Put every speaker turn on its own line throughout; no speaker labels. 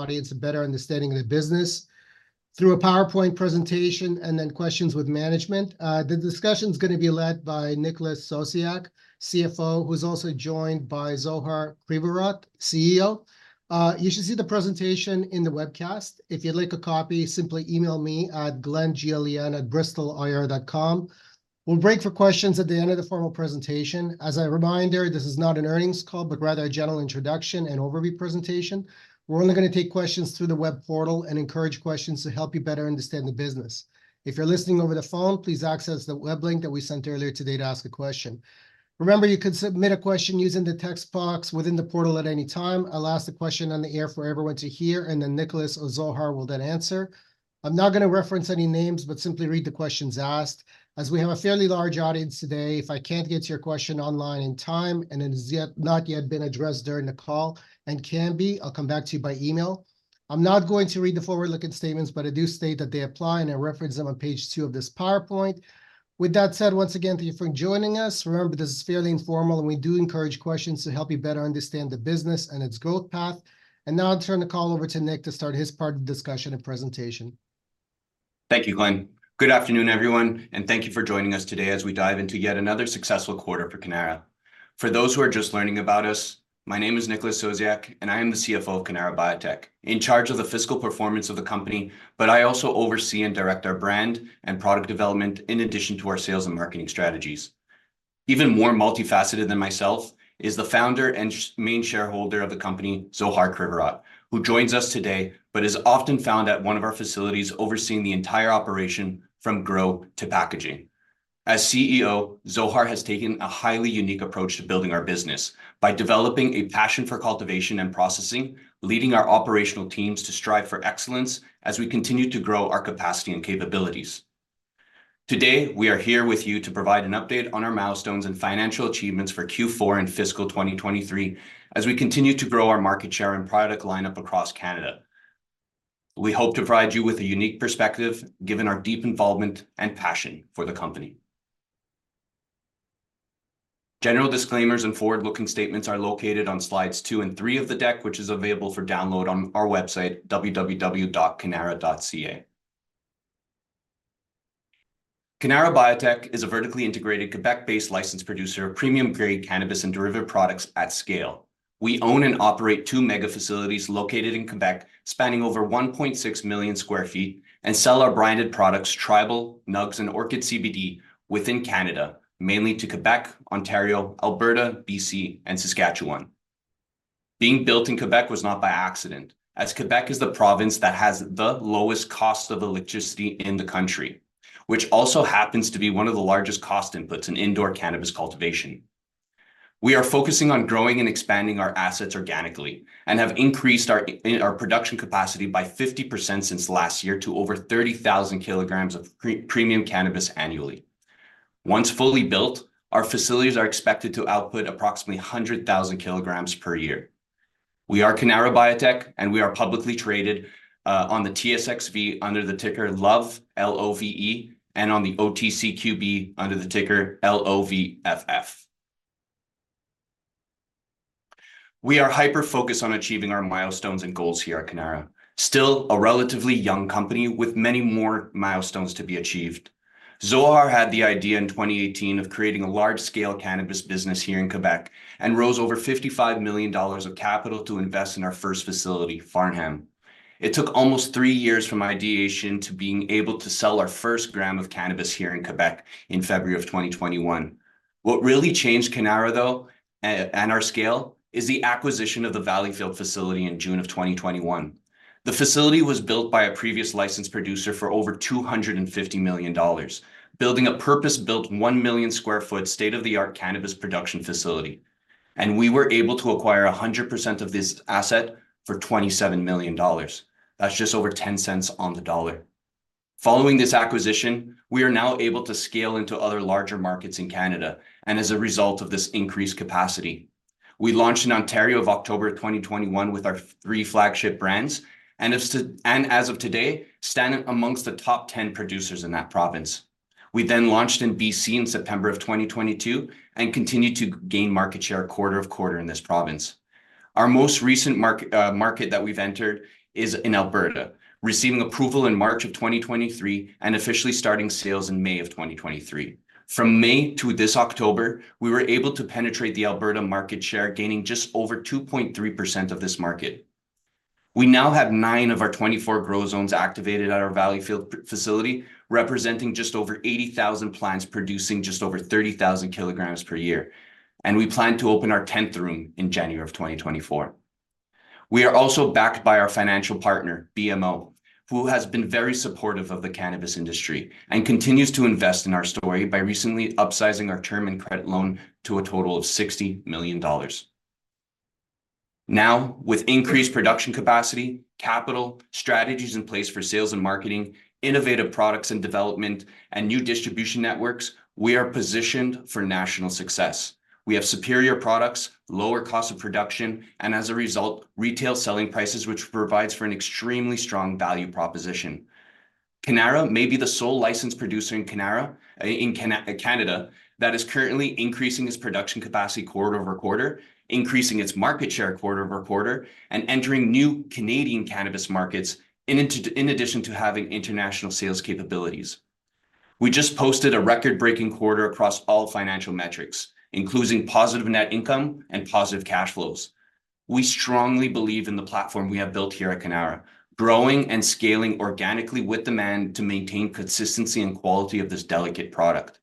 audience a better understanding of the business through a PowerPoint presentation and then questions with management. The discussion's gonna be led by Nicholas Sosiak, CFO, who's also joined by Zohar Krivorot, CEO. You should see the presentation in the webcast. If you'd like a copy, simply email me at Glen, G-L-E-N, @bristolir.com. We'll break for questions at the end of the formal presentation. As a reminder, this is not an earnings call, but rather a general introduction and overview presentation. We're only gonna take questions through the web portal and encourage questions to help you better understand the business. If you're listening over the phone, please access the web link that we sent earlier today to ask a question. Remember, you can submit a question using the text box within the portal at any time. I'll ask the question on the air for everyone to hear, and then Nicholas or Zohar will then answer. I'm not gonna reference any names, but simply read the questions asked. As we have a fairly large audience today, if I can't get to your question online in time, and it is not yet been addressed during the call and can be, I'll come back to you by email. I'm not going to read the forward-looking statements, but I do state that they apply, and I reference them on page two of this PowerPoint. With that said, once again, thank you for joining us. Remember, this is fairly informal, and we do encourage questions to help you better understand the business and its growth path. And now I'll turn the call over to Nick to start his part of the discussion and presentation.
Thank you, Glen. Good afternoon, everyone, and thank you for joining us today as we dive into yet another successful quarter for Cannara. For those who are just learning about us, my name is Nicholas Sosiak, and I am the CFO of Cannara Biotech, in charge of the fiscal performance of the company, but I also oversee and direct our brand and product development, in addition to our sales and marketing strategies. Even more multifaceted than myself is the founder and main shareholder of the company, Zohar Krivorot, who joins us today but is often found at one of our facilities, overseeing the entire operation, from grow to packaging. As CEO, Zohar has taken a highly unique approach to building our business by developing a passion for cultivation and processing, leading our operational teams to strive for excellence as we continue to grow our capacity and capabilities. Today, we are here with you to provide an update on our milestones and financial achievements for Q4 and fiscal 2023, as we continue to grow our market share and product lineup across Canada. We hope to provide you with a unique perspective, given our deep involvement and passion for the company. General disclaimers and forward-looking statements are located on slides 2 and 3 of the deck, which is available for download on our website, www.cannara.ca. Cannara Biotech is a vertically integrated Quebec-based licensed producer of premium-grade cannabis and derivative products at scale. We own and operate two mega facilities located in Quebec, spanning over 1.6 million sq ft, and sell our branded products, Tribal, Nugz, and Orchid CBD, within Canada, mainly to Quebec, Ontario, Alberta, BC, and Saskatchewan. Being built in Quebec was not by accident, as Quebec is the province that has the lowest cost of electricity in the country, which also happens to be one of the largest cost inputs in indoor cannabis cultivation. We are focusing on growing and expanding our assets organically and have increased our production capacity by 50% since last year to over 30,000 kilograms of premium cannabis annually. Once fully built, our facilities are expected to output approximately 100,000 kilograms per year. We are Cannara Biotech, and we are publicly traded on the TSXV under the ticker LOVE, L-O-V-E, and on the OTCQB under the ticker LOVEF. We are hyper-focused on achieving our milestones and goals here at Cannara. Still, a relatively young company with many more milestones to be achieved. Zohar had the idea in 2018 of creating a large-scale cannabis business here in Quebec and raised over 55 million dollars of capital to invest in our first facility, Farnham. It took almost three years from ideation to being able to sell our first gram of cannabis here in Quebec in February 2021. What really changed Cannara, though, and our scale, is the acquisition of the Valleyfield facility in June 2021. The facility was built by a previous licensed producer for over 250 million dollars, building a purpose-built, 1,000,000-sq.-ft., state-of-the-art cannabis production facility, and we were able to acquire 100% of this asset for 27 million dollars. That's just over 10 cents on the dollar. Following this acquisition, we are now able to scale into other larger markets in Canada, and as a result of this increased capacity. We launched in Ontario in October 2021 with our three flagship brands, and as of today, stand amongst the top 10 producers in that province. We then launched in BC in September 2022 and continued to gain market share quarter-over-quarter in this province. Our most recent market that we've entered is in Alberta, receiving approval in March 2023 and officially starting sales in May 2023. From May to this October, we were able to penetrate the Alberta market share, gaining just over 2.3% of this market. We now have nine of our 24 grow zones activated at our Valleyfield facility, representing just over 80,000 plants, producing just over 30,000 kilograms per year, and we plan to open our tenth room in January 2024. We are also backed by our financial partner, BMO, who has been very supportive of the cannabis industry and continues to invest in our story by recently upsizing our term and credit loan to a total of 60 million dollars. Now, with increased production capacity, capital, strategies in place for sales and marketing, innovative products and development, and new distribution networks, we are positioned for national success. We have superior products, lower cost of production, and as a result, retail selling prices, which provides for an extremely strong value proposition.... Cannara may be the sole licensed producer in Canada that is currently increasing its production capacity quarter-over-quarter, increasing its market share quarter-over-quarter, and entering new Canadian cannabis markets in addition to having international sales capabilities. We just posted a record-breaking quarter across all financial metrics, including positive net income and positive cash flows. We strongly believe in the platform we have built here at Cannara, growing and scaling organically with demand to maintain consistency and quality of this delicate product.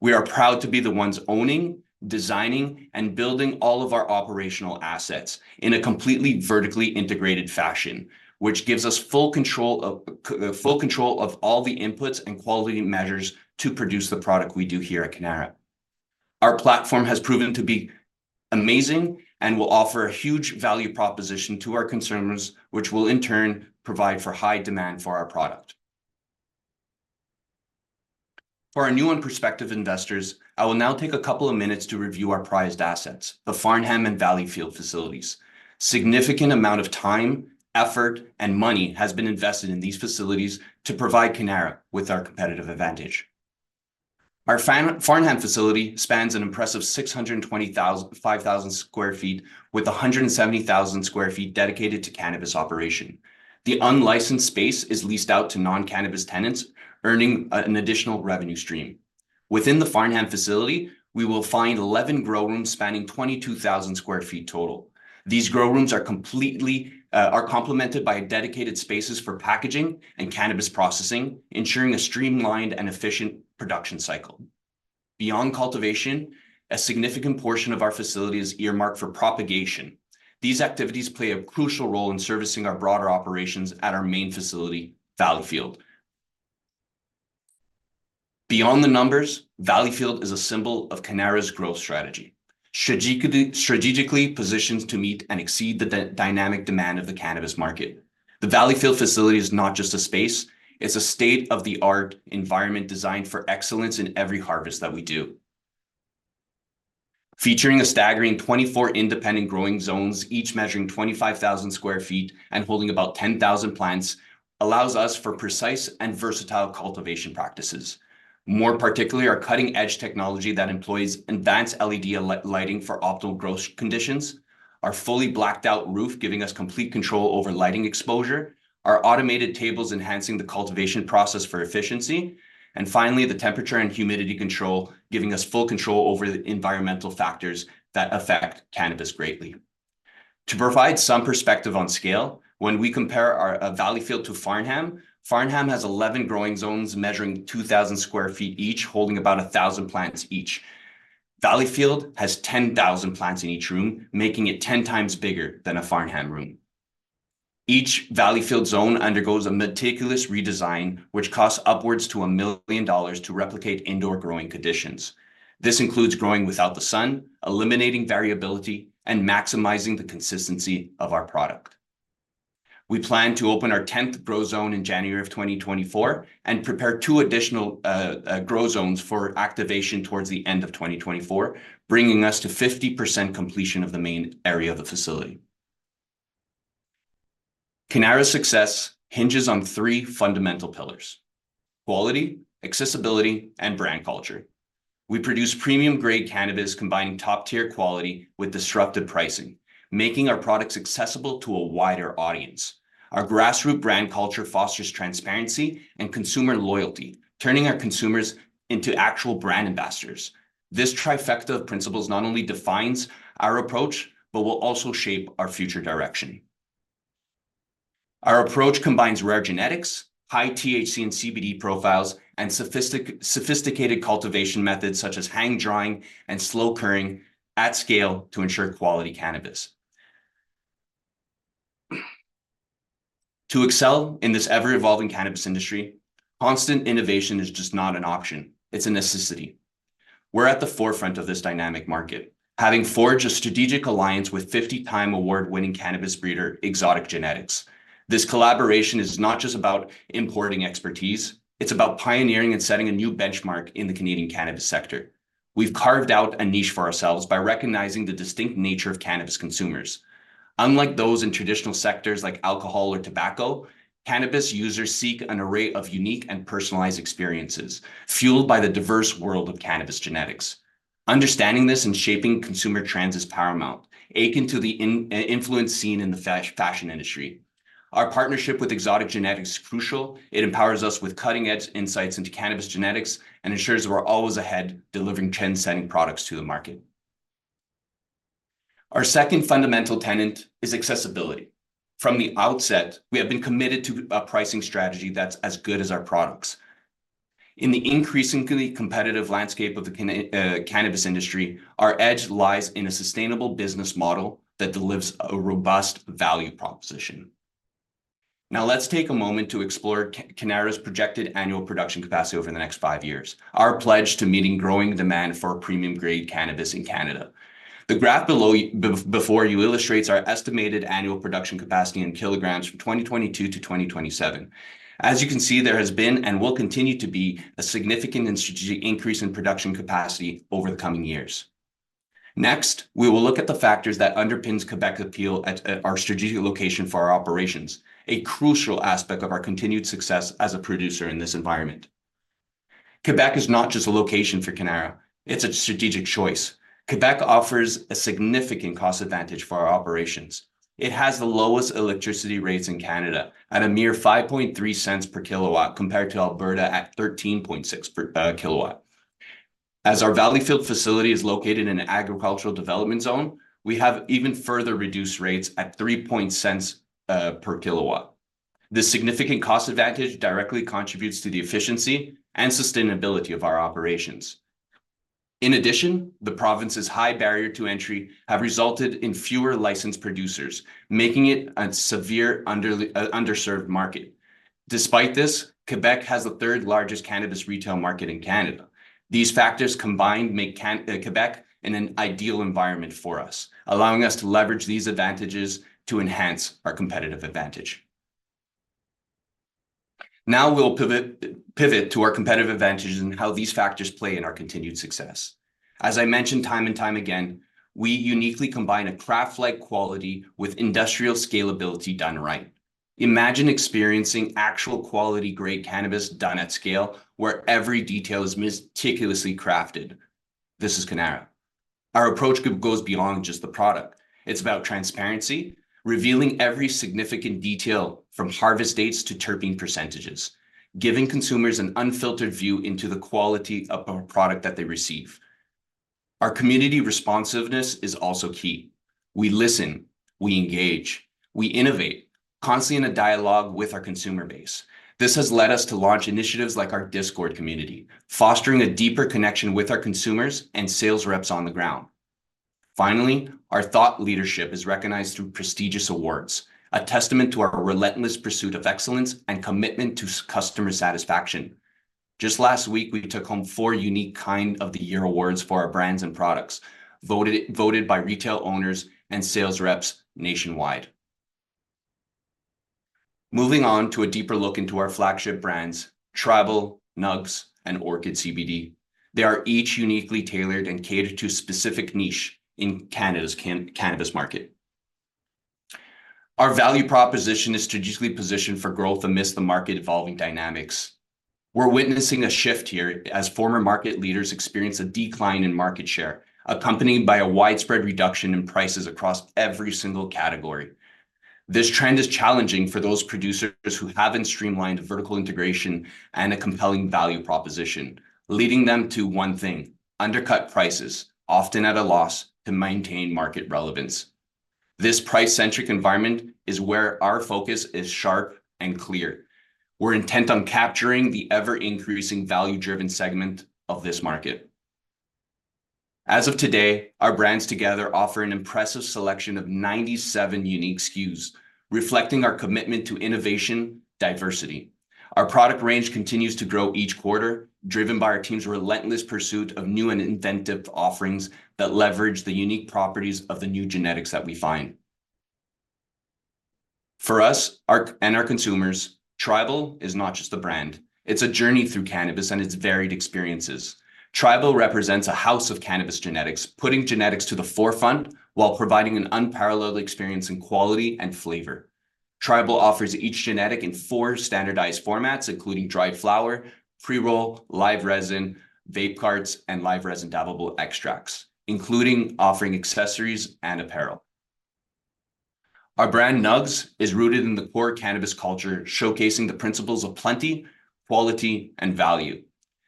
We are proud to be the ones owning, designing, and building all of our operational assets in a completely vertically integrated fashion, which gives us full control of full control of all the inputs and quality measures to produce the product we do here at Cannara. Our platform has proven to be amazing and will offer a huge value proposition to our consumers, which will in turn provide for high demand for our product. For our new and prospective investors, I will now take a couple of minutes to review our prized assets, the Farnham and Valleyfield facilities. significant amount of time, effort, and money has been invested in these facilities to provide Cannara with our competitive advantage. Our Farnham facility spans an impressive 625,000 sq ft, with 170,000 sq ft dedicated to cannabis operation. The unlicensed space is leased out to non-cannabis tenants, earning an additional revenue stream. Within the Farnham facility, we will find 11 grow rooms spanning 22,000 sq ft total. These grow rooms are complemented by dedicated spaces for packaging and cannabis processing, ensuring a streamlined and efficient production cycle. Beyond cultivation, a significant portion of our facility is earmarked for propagation. These activities play a crucial role in servicing our broader operations at our main facility, Valleyfield. Beyond the numbers, Valleyfield is a symbol of Cannara's growth strategy. Strategically, strategically positioned to meet and exceed the dynamic demand of the cannabis market. The Valleyfield facility is not just a space, it's a state-of-the-art environment designed for excellence in every harvest that we do. Featuring a staggering 24 independent growing zones, each measuring 25,000 sq ft and holding about 10,000 plants, allows us for precise and versatile cultivation practices. More particularly, our cutting-edge technology that employs advanced LED lighting for optimal growth conditions, our fully blacked-out roof, giving us complete control over lighting exposure, our automated tables enhancing the cultivation process for efficiency, and finally, the temperature and humidity control, giving us full control over the environmental factors that affect cannabis greatly. To provide some perspective on scale, when we compare our Valleyfield to Farnham, Farnham has 11 growing zones measuring 2,000 sq ft each, holding about 1,000 plants each. Valleyfield has 10,000 plants in each room, making it 10 times bigger than a Farnham room. Each Valleyfield zone undergoes a meticulous redesign, which costs upwards to 1 million dollars to replicate indoor growing conditions. This includes growing without the sun, eliminating variability, and maximizing the consistency of our product. We plan to open our tenth grow zone in January 2024 and prepare two additional grow zones for activation towards the end of 2024, bringing us to 50% completion of the main area of the facility. Cannara's success hinges on three fundamental pillars: quality, accessibility, and brand culture. We produce premium-grade cannabis, combining top-tier quality with disruptive pricing, making our products accessible to a wider audience. Our grassroots brand culture fosters transparency and consumer loyalty, turning our consumers into actual brand ambassadors. This trifecta of principles not only defines our approach, but will also shape our future direction. Our approach combines rare genetics, high THC and CBD profiles, and sophisticated cultivation methods, such as hang drying and slow curing at scale to ensure quality cannabis. To excel in this ever-evolving cannabis industry, constant innovation is just not an option, it's a necessity. We're at the forefront of this dynamic market, having forged a strategic alliance with 50-time award-winning cannabis breeder, Exotic Genetix. This collaboration is not just about importing expertise, it's about pioneering and setting a new benchmark in the Canadian cannabis sector. We've carved out a niche for ourselves by recognizing the distinct nature of cannabis consumers. Unlike those in traditional sectors like alcohol or tobacco, cannabis users seek an array of unique and personalized experiences, fueled by the diverse world of cannabis genetics. Understanding this and shaping consumer trends is paramount, akin to the influence seen in the fashion industry. Our partnership with Exotic Genetix is crucial. It empowers us with cutting-edge insights into cannabis genetics and ensures we're always ahead, delivering trend-setting products to the market. Our second fundamental tenet is accessibility. From the outset, we have been committed to a pricing strategy that's as good as our products. In the increasingly competitive landscape of the cannabis industry, our edge lies in a sustainable business model that delivers a robust value proposition. Now, let's take a moment to explore Cannara's projected annual production capacity over the next five years, our pledge to meeting growing demand for premium-grade cannabis in Canada. The graph below, before you, illustrates our estimated annual production capacity in kilograms from 2022 to 2027. As you can see, there has been and will continue to be a significant and strategic increase in production capacity over the coming years. Next, we will look at the factors that underpins Quebec's appeal at our strategic location for our operations, a crucial aspect of our continued success as a producer in this environment. Quebec is not just a location for Cannara, it's a strategic choice. Quebec offers a significant cost advantage for our operations. It has the lowest electricity rates in Canada at a mere 5.3 cents per kilowatt, compared to Alberta at 13.6 cents per kilowatt. As our Valleyfield facility is located in an agricultural development zone, we have even further reduced rates at 3 cents per kilowatt. This significant cost advantage directly contributes to the efficiency and sustainability of our operations. In addition, the province's high barrier to entry have resulted in fewer licensed producers, making it a severe underserved market. Despite this, Quebec has the third largest cannabis retail market in Canada. These factors combined make Quebec an ideal environment for us, allowing us to leverage these advantages to enhance our competitive advantage. Now we'll pivot to our competitive advantages and how these factors play in our continued success. As I mentioned, time and time again, we uniquely combine a craft-like quality with industrial scalability done right. Imagine experiencing actual quality-grade cannabis done at scale, where every detail is meticulously crafted. This is Cannara. Our approach goes beyond just the product. It's about transparency, revealing every significant detail, from harvest dates to terpene percentages, giving consumers an unfiltered view into the quality of our product that they receive. Our community responsiveness is also key. We listen, we engage, we innovate, constantly in a dialogue with our consumer base. This has led us to launch initiatives like our Discord community, fostering a deeper connection with our consumers and sales reps on the ground. Finally, our thought leadership is recognized through prestigious awards, a testament to our relentless pursuit of excellence and commitment to customer satisfaction. Just last week, we took home four unique Kind of the Year awards for our brands and products, voted by retail owners and sales reps nationwide. Moving on to a deeper look into our flagship brands, Tribal, Nugz, and Orchid CBD. They are each uniquely tailored and cater to a specific niche in Canada's cannabis market. Our value proposition is strategically positioned for growth amidst the market evolving dynamics. We're witnessing a shift here as former market leaders experience a decline in market share, accompanied by a widespread reduction in prices across every single category. This trend is challenging for those producers who haven't streamlined vertical integration and a compelling value proposition, leading them to one thing: undercut prices, often at a loss, to maintain market relevance. This price-centric environment is where our focus is sharp and clear. We're intent on capturing the ever-increasing value-driven segment of this market. As of today, our brands together offer an impressive selection of 97 unique SKUs, reflecting our commitment to innovation, diversity. Our product range continues to grow each quarter, driven by our team's relentless pursuit of new and inventive offerings that leverage the unique properties of the new genetics that we find. For us, our... and our consumers, Tribal is not just a brand, it's a journey through cannabis and its varied experiences. Tribal represents a house of cannabis genetics, putting genetics to the forefront while providing an unparalleled experience in quality and flavor. Tribal offers each genetic in four standardized formats, including dried flower, pre-roll, live resin, vape carts, and live resin dabbable extracts, including offering accessories and apparel. Our brand, Nugz, is rooted in the core cannabis culture, showcasing the principles of plenty, quality, and value.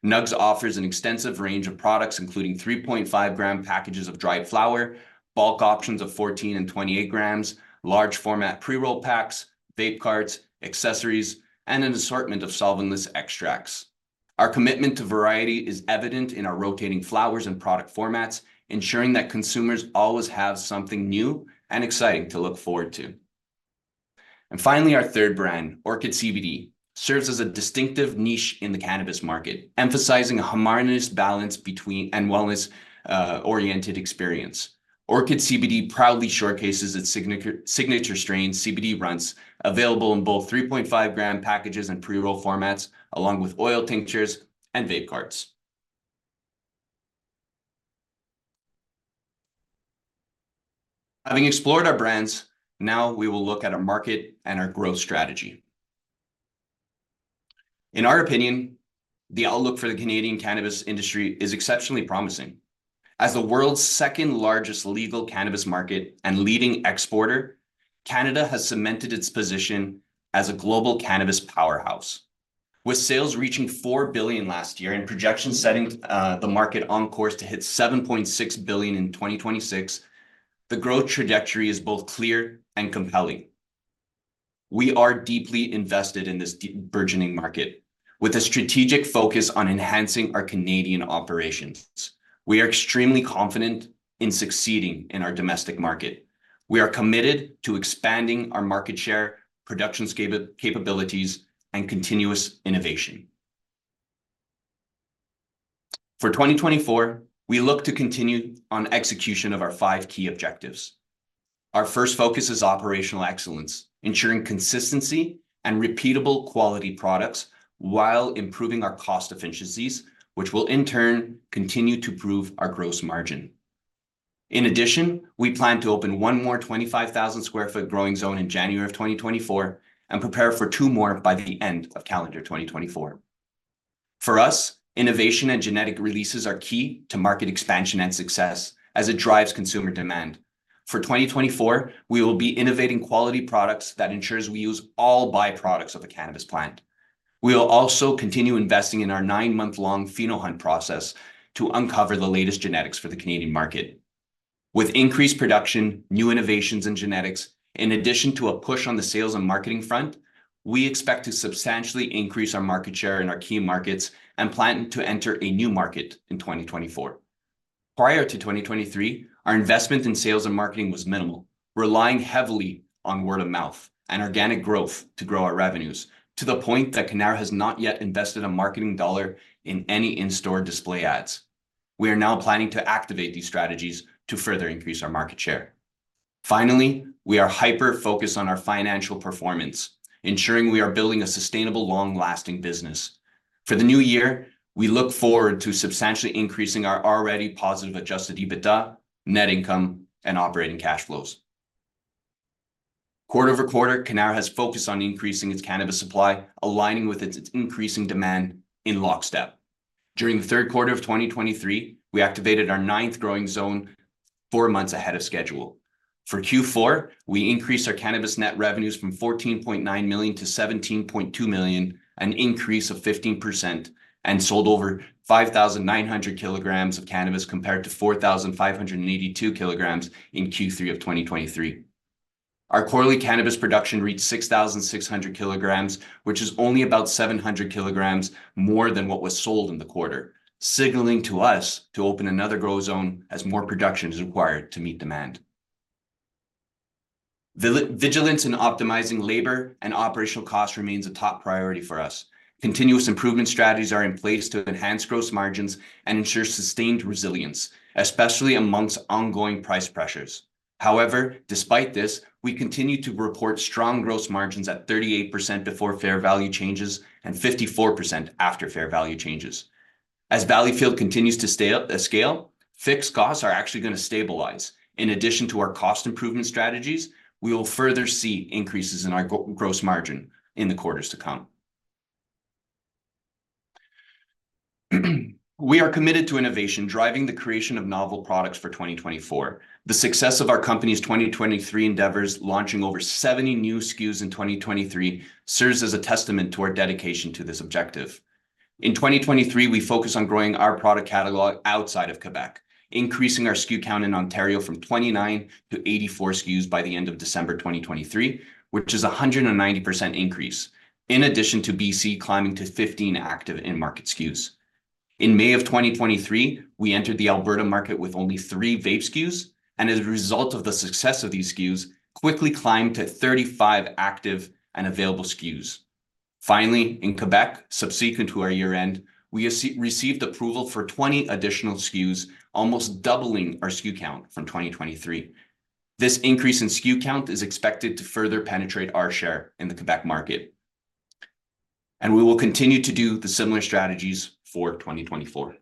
Nugz offers an extensive range of products, including 3.5 gram packages of dried flower, bulk options of 14 and 28 grams, large format pre-roll packs, vape carts, accessories, and an assortment of solventless extracts. Our commitment to variety is evident in our rotating flowers and product formats, ensuring that consumers always have something new and exciting to look forward to. And finally, our third brand, Orchid CBD, serves as a distinctive niche in the cannabis market, emphasizing a harmonious balance between and wellness-oriented experience. Orchid CBD proudly showcases its signature, signature strain, CBD Runtz, available in both 3.5-gram packages and pre-roll formats, along with oil tinctures and vape carts. Having explored our brands, now we will look at our market and our growth strategy. In our opinion, the outlook for the Canadian cannabis industry is exceptionally promising. As the world's second largest legal cannabis market and leading exporter, Canada has cemented its position as a global cannabis powerhouse. With sales reaching 4 billion last year and projections setting the market on course to hit 7.6 billion in 2026, the growth trajectory is both clear and compelling. We are deeply invested in this burgeoning market, with a strategic focus on enhancing our Canadian operations. We are extremely confident in succeeding in our domestic market. We are committed to expanding our market share, production capabilities, and continuous innovation. For 2024, we look to continue on execution of our five key objectives. Our first focus is operational excellence, ensuring consistency and repeatable quality products while improving our cost efficiencies, which will in turn continue to improve our gross margin. In addition, we plan to open one more 25,000 sq ft growing zone in January of 2024, and prepare for two more by the end of calendar 2024. For us, innovation and genetic releases are key to market expansion and success as it drives consumer demand. For 2024, we will be innovating quality products that ensures we use all byproducts of the cannabis plant. We will also continue investing in our 9-month-long Pheno Hunt process to uncover the latest genetics for the Canadian market. With increased production, new innovations in genetics, in addition to a push on the sales and marketing front, we expect to substantially increase our market share in our key markets and plan to enter a new market in 2024. Prior to 2023, our investment in sales and marketing was minimal, relying heavily on word of mouth and organic growth to grow our revenues, to the point that Cannara has not yet invested a marketing dollar in any in-store display ads. We are now planning to activate these strategies to further increase our market share. Finally, we are hyper-focused on our financial performance, ensuring we are building a sustainable, long-lasting business. For the new year, we look forward to substantially increasing our already positive Adjusted EBITDA, net income, and operating cash flows. Quarter-over-quarter, Cannara has focused on increasing its cannabis supply, aligning with its increasing demand in lockstep. During the third quarter of 2023, we activated our ninth growing zone four months ahead of schedule. For Q4, we increased our cannabis net revenues from 14.9 million to 17.2 million, an increase of 15%, and sold over 5,900 kilograms of cannabis, compared to 4,582 kilograms in Q3 of 2023. Our quarterly cannabis production reached 6,600 kilograms, which is only about 700 kilograms more than what was sold in the quarter, signaling to us to open another grow zone as more production is required to meet demand. Vigilance in optimizing labor and operational costs remains a top priority for us. Continuous improvement strategies are in place to enhance gross margins and ensure sustained resilience, especially amongst ongoing price pressures. However, despite this, we continue to report strong gross margins at 38% before fair value changes, and 54% after fair value changes. As Valleyfield continues to stay up the scale, fixed costs are actually gonna stabilize. In addition to our cost improvement strategies, we will further see increases in our gross margin in the quarters to come. We are committed to innovation, driving the creation of novel products for 2024. The success of our company's 2023 endeavors, launching over 70 new SKUs in 2023, serves as a testament to our dedication to this objective. In 2023, we focused on growing our product catalog outside of Quebec, increasing our SKU count in Ontario from 29 to 84 SKUs by the end of December 2023, which is a 190% increase, in addition to BC climbing to 15 active in-market SKUs. In May of 2023, we entered the Alberta market with only 3 vape SKUs, and as a result of the success of these SKUs, quickly climbed to 35 active and available SKUs. Finally, in Quebec, subsequent to our year-end, we received approval for 20 additional SKUs, almost doubling our SKU count from 2023. This increase in SKU count is expected to further penetrate our share in the Quebec market, and we will continue to do the similar strategies for 2024.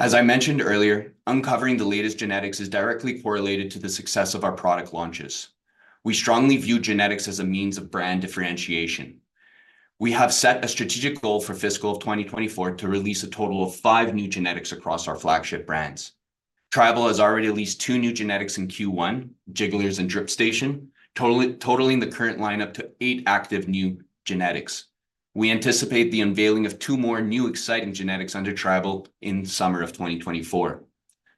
As I mentioned earlier, uncovering the latest genetics is directly correlated to the success of our product launches. We strongly view genetics as a means of brand differentiation. We have set a strategic goal for fiscal of 2024 to release a total of five new genetics across our flagship brands. Tribal has already released two new genetics in Q1, Jigglers and Drip Station, totaling the current lineup to eight active new genetics. We anticipate the unveiling of two more new exciting genetics under Tribal in summer of 2024.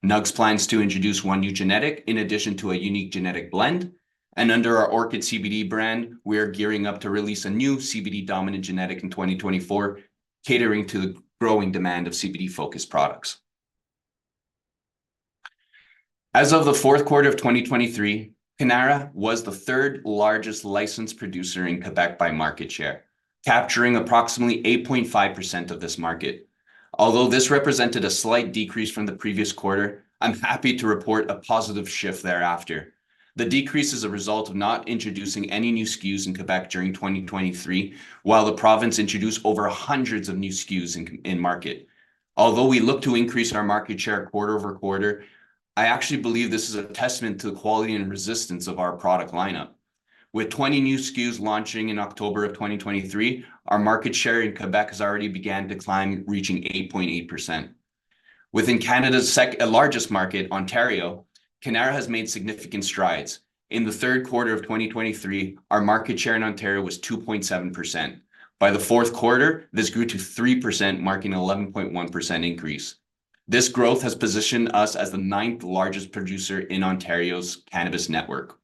Nugz plans to introduce one new genetic, in addition to a unique genetic blend, and under our Orchid CBD brand, we are gearing up to release a new CBD-dominant genetic in 2024, catering to the growing demand of CBD-focused products. As of the fourth quarter of 2023, Cannara was the third-largest licensed producer in Quebec by market share, capturing approximately 8.5% of this market. Although this represented a slight decrease from the previous quarter, I'm happy to report a positive shift thereafter. The decrease is a result of not introducing any new SKUs in Quebec during 2023, while the province introduced over hundreds of new SKUs in market. Although we look to increase our market share quarter-over-quarter, I actually believe this is a testament to the quality and resistance of our product lineup. With 20 new SKUs launching in October 2023, our market share in Quebec has already begun to climb, reaching 8.8%. Within Canada's second-largest market, Ontario, Cannara has made significant strides. In the third quarter of 2023, our market share in Ontario was 2.7%. By the fourth quarter, this grew to 3%, marking an 11.1% increase. This growth has positioned us as the ninth-largest producer in Ontario's cannabis network.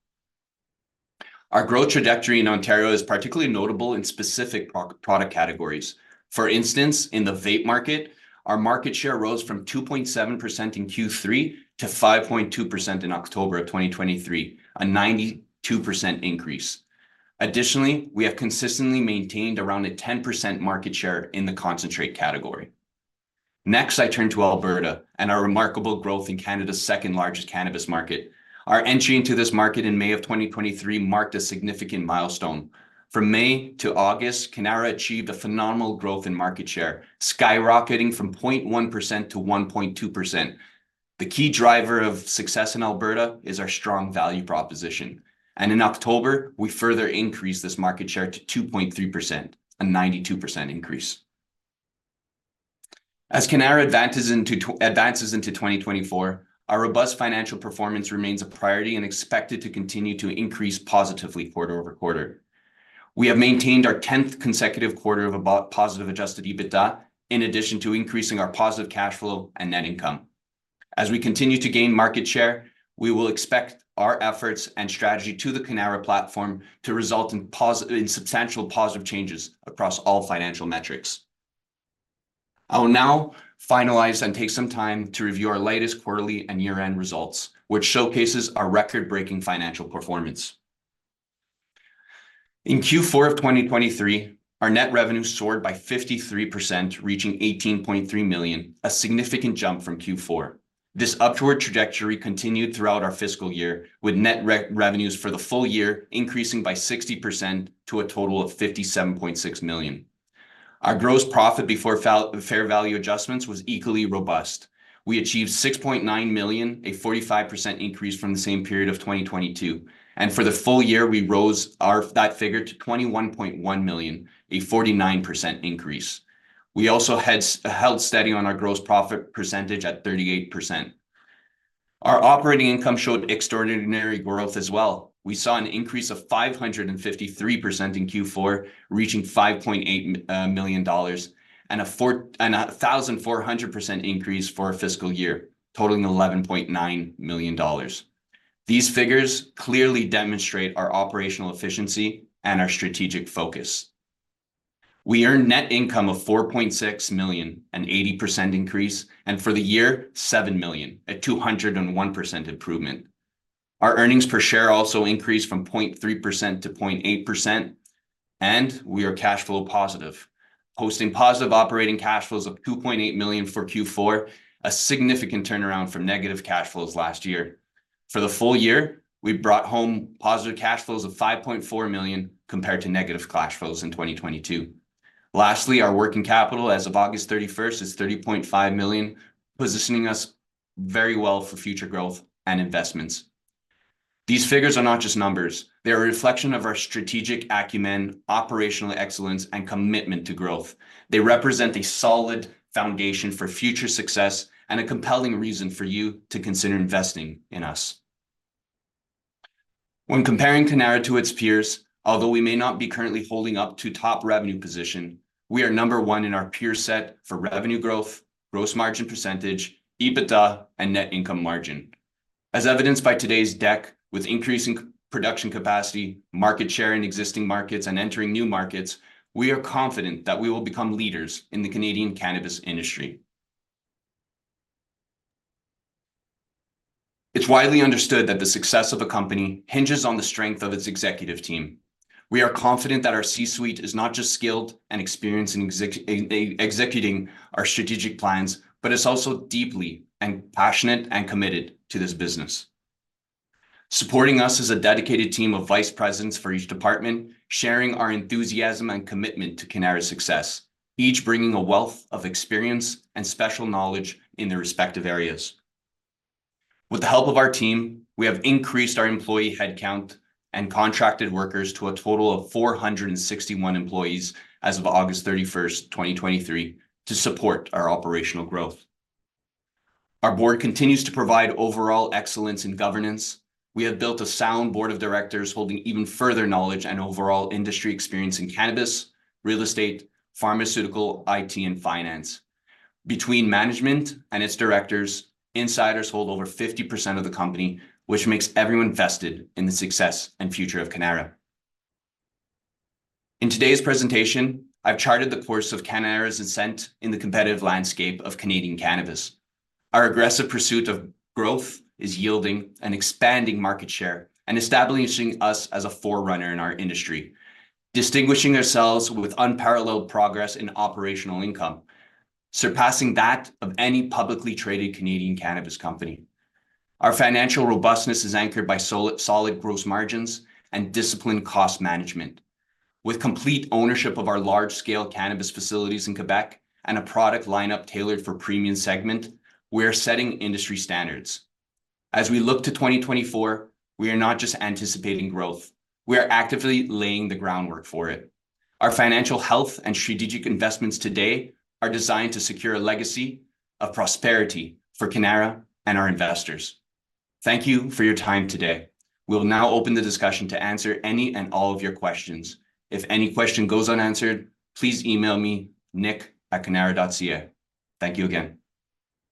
Our growth trajectory in Ontario is particularly notable in specific product categories. For instance, in the vape market, our market share rose from 2.7% in Q3 to 5.2% in October 2023, a 92% increase. Additionally, we have consistently maintained around a 10% market share in the concentrate category... Next, I turn to Alberta and our remarkable growth in Canada's second-largest cannabis market. Our entry into this market in May of 2023 marked a significant milestone. From May to August, Cannara achieved a phenomenal growth in market share, skyrocketing from 0.1% to 1.2%. The key driver of success in Alberta is our strong value proposition, and in October, we further increased this market share to 2.3%, a 92% increase. As Cannara advances into 2024, our robust financial performance remains a priority and expected to continue to increase positively quarter over quarter. We have maintained our 10th consecutive quarter of positive Adjusted EBITDA, in addition to increasing our positive cash flow and net income. As we continue to gain market share, we will expect our efforts and strategy to the Cannara platform to result in in substantial positive changes across all financial metrics. I will now finalize and take some time to review our latest quarterly and year-end results, which showcases our record-breaking financial performance. In Q4 of 2023, our net revenue soared by 53%, reaching 18.3 million, a significant jump from Q4. This upward trajectory continued throughout our fiscal year, with net revenues for the full year increasing by 60% to a total of 57.6 million. Our gross profit before fair value adjustments was equally robust. We achieved 6.9 million, a 45% increase from the same period of 2022, and for the full year, we rose that figure to 21.1 million, a 49% increase. We also had held steady on our gross profit percentage at 38%. Our operating income showed extraordinary growth as well. We saw an increase of 553% in Q4, reaching CAD 5.8 million, and a 4,400% increase for our fiscal year, totaling 11.9 million dollars. These figures clearly demonstrate our operational efficiency and our strategic focus. We earned net income of 4.6 million, an 80% increase, and for the year, 7 million, a 201% improvement. Our earnings per share also increased from 0.3% to 0.8%, and we are cash flow positive, posting positive operating cash flows of 2.8 million for Q4, a significant turnaround from negative cash flows last year. For the full year, we brought home positive cash flows of 5.4 million, compared to negative cash flows in 2022. Lastly, our working capital as of August 31 is 30.5 million, positioning us very well for future growth and investments. These figures are not just numbers. They are a reflection of our strategic acumen, operational excellence, and commitment to growth. They represent a solid foundation for future success and a compelling reason for you to consider investing in us. When comparing Cannara to its peers, although we may not be currently holding up to top revenue position, we are number one in our peer set for revenue growth, gross margin percentage, EBITDA, and net income margin. As evidenced by today's deck, with increasing production capacity, market share in existing markets, and entering new markets, we are confident that we will become leaders in the Canadian cannabis industry. It's widely understood that the success of a company hinges on the strength of its executive team. We are confident that our C-suite is not just skilled and experienced in executing our strategic plans, but is also deeply and passionate and committed to this business. Supporting us is a dedicated team of vice presidents for each department, sharing our enthusiasm and commitment to Cannara's success, each bringing a wealth of experience and special knowledge in their respective areas. With the help of our team, we have increased our employee headcount and contracted workers to a total of 461 employees as of August 31st, 2023, to support our operational growth. Our board continues to provide overall excellence in governance. We have built a sound board of directors holding even further knowledge and overall industry experience in cannabis, real estate, pharmaceutical, IT, and finance. Between management and its directors, insiders hold over 50% of the company, which makes everyone vested in the success and future of Cannara. In today's presentation, I've charted the course of Cannara's ascent in the competitive landscape of Canadian cannabis. Our aggressive pursuit of growth is yielding an expanding market share and establishing us as a forerunner in our industry, distinguishing ourselves with unparalleled progress in operational income, surpassing that of any publicly traded Canadian cannabis company. Our financial robustness is anchored by solid gross margins and disciplined cost management. With complete ownership of our large-scale cannabis facilities in Quebec and a product lineup tailored for premium segment, we are setting industry standards. As we look to 2024, we are not just anticipating growth, we are actively laying the groundwork for it. Our financial health and strategic investments today are designed to secure a legacy of prosperity for Cannara and our investors. Thank you for your time today. We'll now open the discussion to answer any and all of your questions. If any question goes unanswered, please email me, nick@cannara.ca. Thank you again.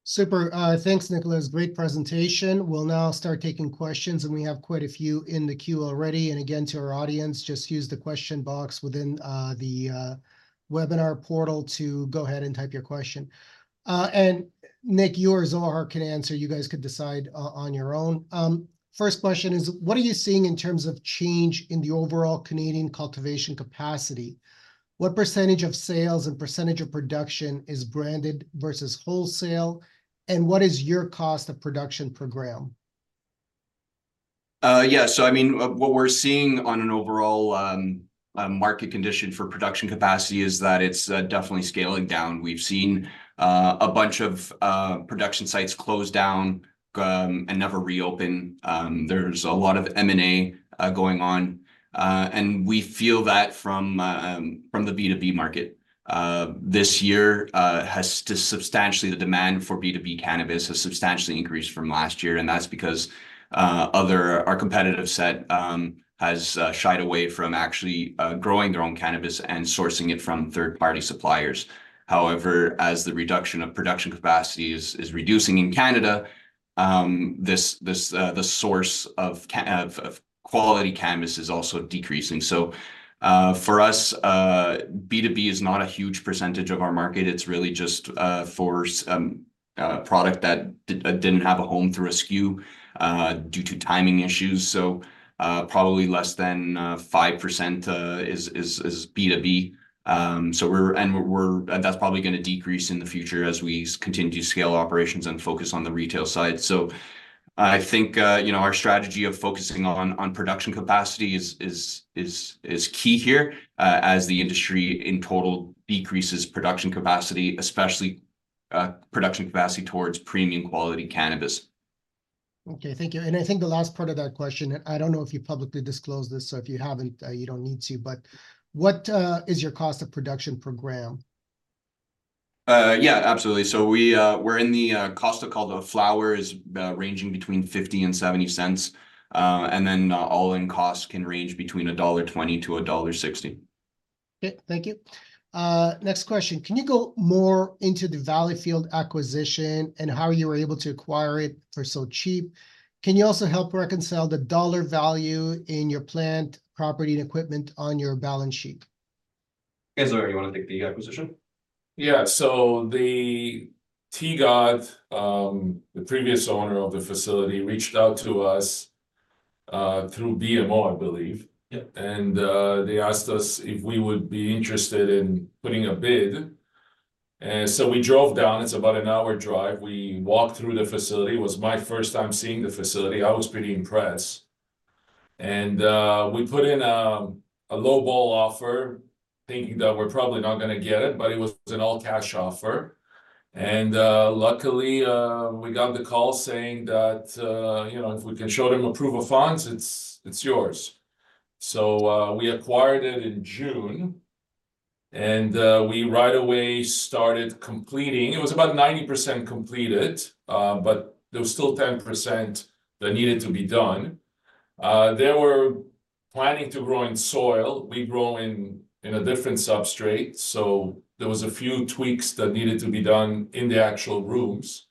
Super. Thanks, Nicholas. Great presentation. We'll now start taking questions, and we have quite a few in the queue already. Again, to our audience, just use the question box within the webinar portal to go ahead and type your question. Nick, you or Zohar can answer, you guys could decide on your own. First question is, what are you seeing in terms of change in the overall Canadian cultivation capacity? What percentage of sales and percentage of production is branded versus wholesale, and what is your cost of production per gram?
Yeah, so I mean, what we're seeing on an overall market condition for production capacity is that it's definitely scaling down. We've seen a bunch of production sites close down and never reopen. There's a lot of M&A going on, and we feel that from the B2B market. This year, the demand for B2B cannabis has substantially increased from last year, and that's because our competitive set has shied away from actually growing their own cannabis and sourcing it from third-party suppliers. However, as the reduction of production capacity is reducing in Canada, the source of quality cannabis is also decreasing. So, for us, B2B is not a huge percentage of our market, it's really just for some product that didn't have a home through a SKU, due to timing issues. So, probably less than 5% is B2B. So we're, and that's probably gonna decrease in the future as we continue to scale operations and focus on the retail side. So I think, you know, our strategy of focusing on production capacity is key here, as the industry in total decreases production capacity, especially production capacity towards premium quality cannabis.
Okay, thank you. I think the last part of that question, and I don't know if you publicly disclosed this, so if you haven't, you don't need to, but what is your cost of production per gram?
Yeah, absolutely. So we're in the cost of called the flower is ranging between 0.50 and 0.70. And then, all-in costs can range between 1.20-1.60 dollar.
Okay, thank you. Next question: Can you go more into the Valleyfield acquisition and how you were able to acquire it for so cheap? Can you also help reconcile the dollar value in your plant, property, and equipment on your balance sheet?
Zohar, you want to take the acquisition?
Yeah. So the TGOD, the previous owner of the facility, reached out to us through BMO, I believe. They asked us if we would be interested in putting a bid, and so we drove down. It's about an hour drive. We walked through the facility. It was my first time seeing the facility. I was pretty impressed. We put in a lowball offer, thinking that we're probably not gonna get it, but it was an all-cash offer. Luckily, we got the call saying that, you know, if we can show them approval funds, "It's yours." We acquired it in June, and we right away started completing. It was about 90% completed, but there was still 10% that needed to be done. They were planning to grow in soil. We grow in a different substrate, so there was a few tweaks that needed to be done in the actual rooms.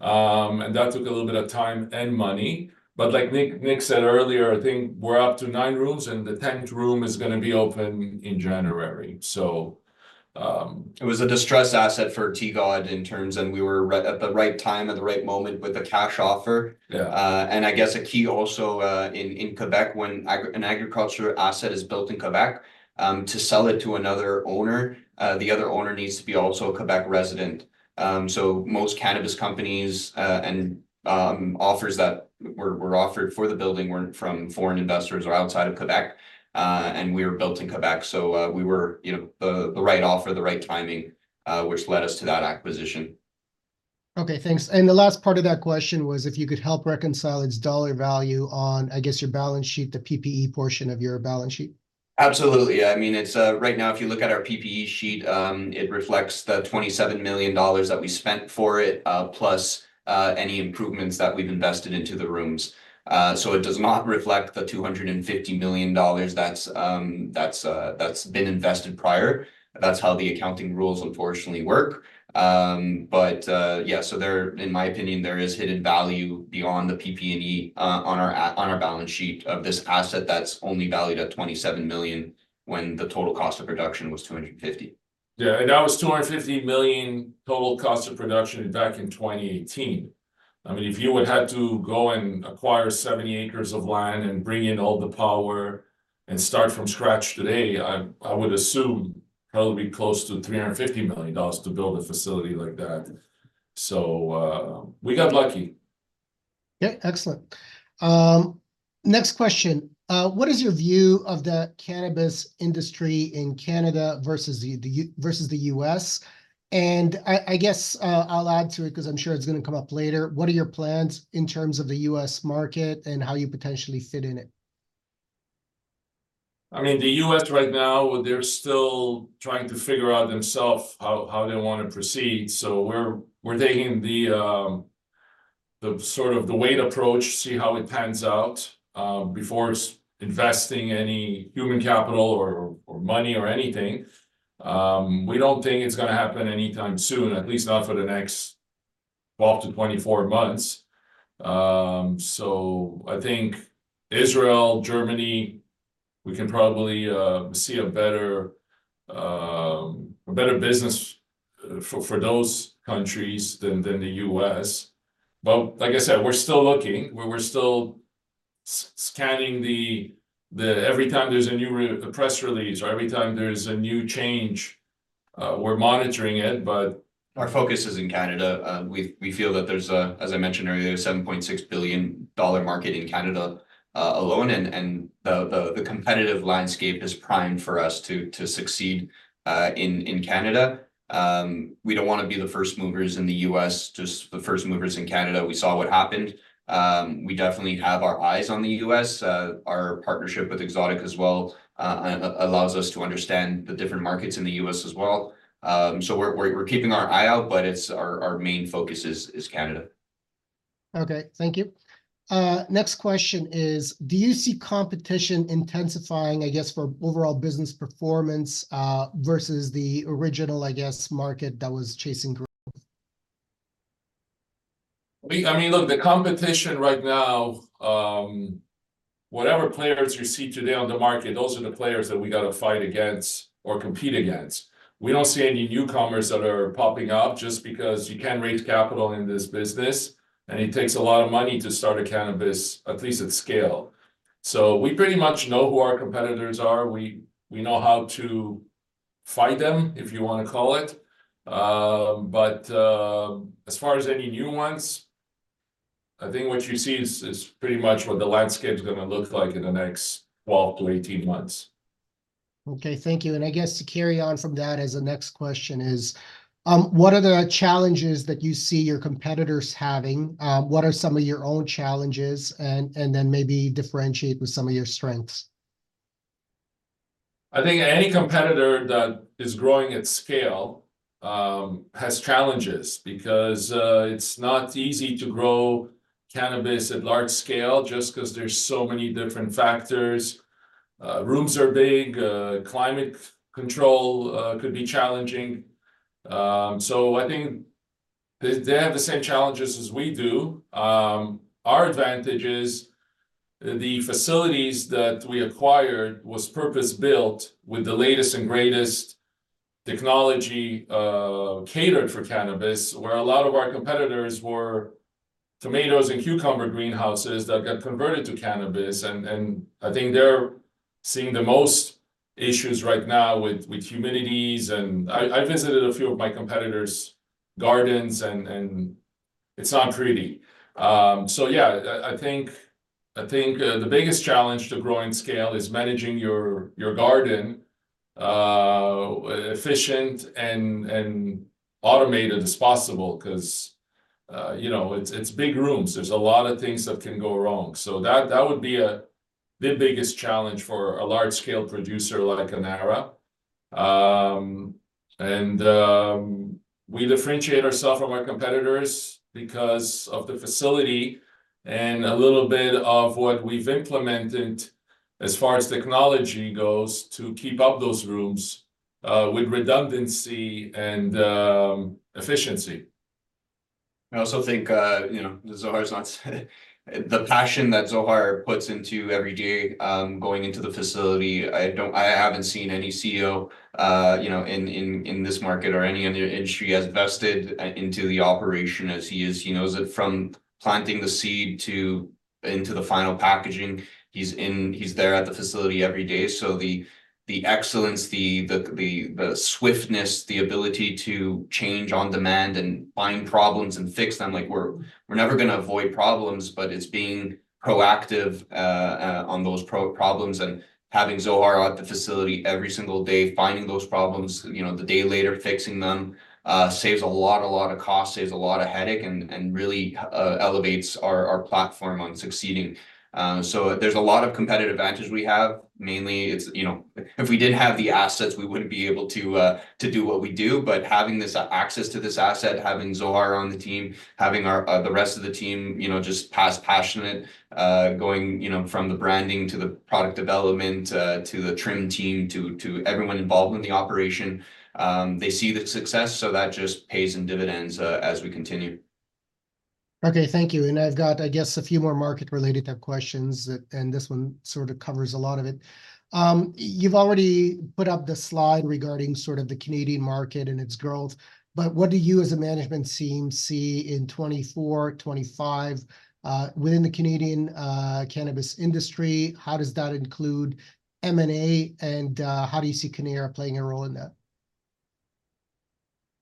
And that took a little bit of time and money, but like Nick, Nick said earlier, I think we're up to nine rooms, and the tenth room is gonna be open in January. So,
It was a distressed asset for TGOD in terms, and we were right, at the right time, at the right moment, with a cash offer. And I guess a key also in Quebec, when an agriculture asset is built in Quebec, to sell it to another owner, the other owner needs to be also a Quebec resident. So most cannabis companies and offers that were offered for the building were from foreign investors or outside of Quebec, and we were built in Quebec. So we were, you know, the right offer, the right timing, which led us to that acquisition.
Okay, thanks. The last part of that question was if you could help reconcile its dollar value on, I guess, your balance sheet, the PPE portion of your balance sheet.
Absolutely. I mean, it's right now, if you look at our PPE sheet, it reflects the 27 million dollars that we spent for it, plus any improvements that we've invested into the rooms. So it does not reflect the 250 million dollars that's been invested prior. That's how the accounting rules unfortunately work. But yeah, so there, in my opinion, there is hidden value beyond the PPE on our balance sheet of this asset that's only valued at 27 million, when the total cost of production was 250 million.
Yeah, and that was 250 million total cost of production back in 2018. I mean, if you would have to go and acquire 70 acres of land and bring in all the power and start from scratch today, I would assume that would be close to 350 million dollars to build a facility like that. So, we got lucky.
Yeah, excellent. Next question. What is your view of the cannabis industry in Canada versus the U.S.? And I guess I'll add to it, 'cause I'm sure it's gonna come up later, what are your plans in terms of the U.S. market and how you potentially fit in it?
I mean, the U.S. right now, they're still trying to figure out themselves how they want to proceed. So we're taking the sort of wait approach, see how it pans out, before investing any human capital or money, or anything. We don't think it's gonna happen anytime soon, at least not for the next 12-24 months. So I think Israel, Germany. We can probably see a better business for those countries than the U.S. But like I said, we're still looking. We're still scanning every time there's a new press release, or every time there's a new change, we're monitoring it, but-
Our focus is in Canada. We feel that there's a, as I mentioned earlier, a 7.6 billion dollar market in Canada alone, and the competitive landscape is primed for us to succeed in Canada. We don't want to be the first movers in the U.S., just the first movers in Canada. We saw what happened. We definitely have our eyes on the U.S. Our partnership with Exotic as well allows us to understand the different markets in the U.S. as well. So we're keeping our eye out, but our main focus is Canada.
Okay, thank you. Next question is, do you see competition intensifying, I guess, for overall business performance, versus the original, I guess, market that was chasing growth?
I mean, look, the competition right now, whatever players you see today on the market, those are the players that we got to fight against or compete against. We don't see any newcomers that are popping up just because you can't raise capital in this business, and it takes a lot of money to start a cannabis, at least at scale. So we pretty much know who our competitors are. We, we know how to fight them, if you want to call it. But, as far as any new ones, I think what you see is, is pretty much what the landscape's gonna look like in the next 12 to 18 months.
Okay, thank you. And I guess to carry on from that as the next question is, what are the challenges that you see your competitors having? What are some of your own challenges? And then maybe differentiate with some of your strengths.
I think any competitor that is growing at scale has challenges because it's not easy to grow cannabis at large scale just 'cause there's so many different factors. Rooms are big, climate control could be challenging. So I think they have the same challenges as we do. Our advantage is the facilities that we acquired was purpose-built with the latest and greatest technology catered for cannabis, where a lot of our competitors were tomatoes and cucumber greenhouses that got converted to cannabis. And I think they're seeing the most issues right now with humidities. And I visited a few of my competitors' gardens, and it's not pretty. So yeah, I think the biggest challenge to growing scale is managing your garden efficient and automated as possible, 'cause you know, it's big rooms. There's a lot of things that can go wrong. So that would be the biggest challenge for a large-scale producer like Cannara. And we differentiate ourselves from our competitors because of the facility and a little bit of what we've implemented as far as technology goes, to keep up those rooms with redundancy and efficiency.
I also think, you know, the passion that Zohar puts into every day, going into the facility. I haven't seen any CEO, you know, in this market or any other industry, as vested into the operation as he is. He knows it from planting the seed to the final packaging. He's there at the facility every day. So the excellence, the swiftness, the ability to change on demand and find problems and fix them, like, we're never gonna avoid problems, but it's being proactive on those problems. And having Zohar at the facility every single day, finding those problems, you know, the day later, fixing them, saves a lot of cost, saves a lot of headache, and really elevates our platform on succeeding. So there's a lot of competitive advantage we have. Mainly, it's, you know, if we didn't have the assets, we wouldn't be able to to do what we do. But having this access to this asset, having Zohar on the team, having our, the rest of the team, you know, just as passionate, going, you know, from the branding to the product development, to the trim team, to everyone involved in the operation, they see the success, so that just pays in dividends, as we continue.
Okay, thank you. I've got, I guess, a few more market-related type questions, that, and this one sort of covers a lot of it. You've already put up the slide regarding sort of the Canadian market and its growth, but what do you, as a management team, see in 2024, 2025, within the Canadian cannabis industry? How does that include M&A, and how do you see Cannara playing a role in that?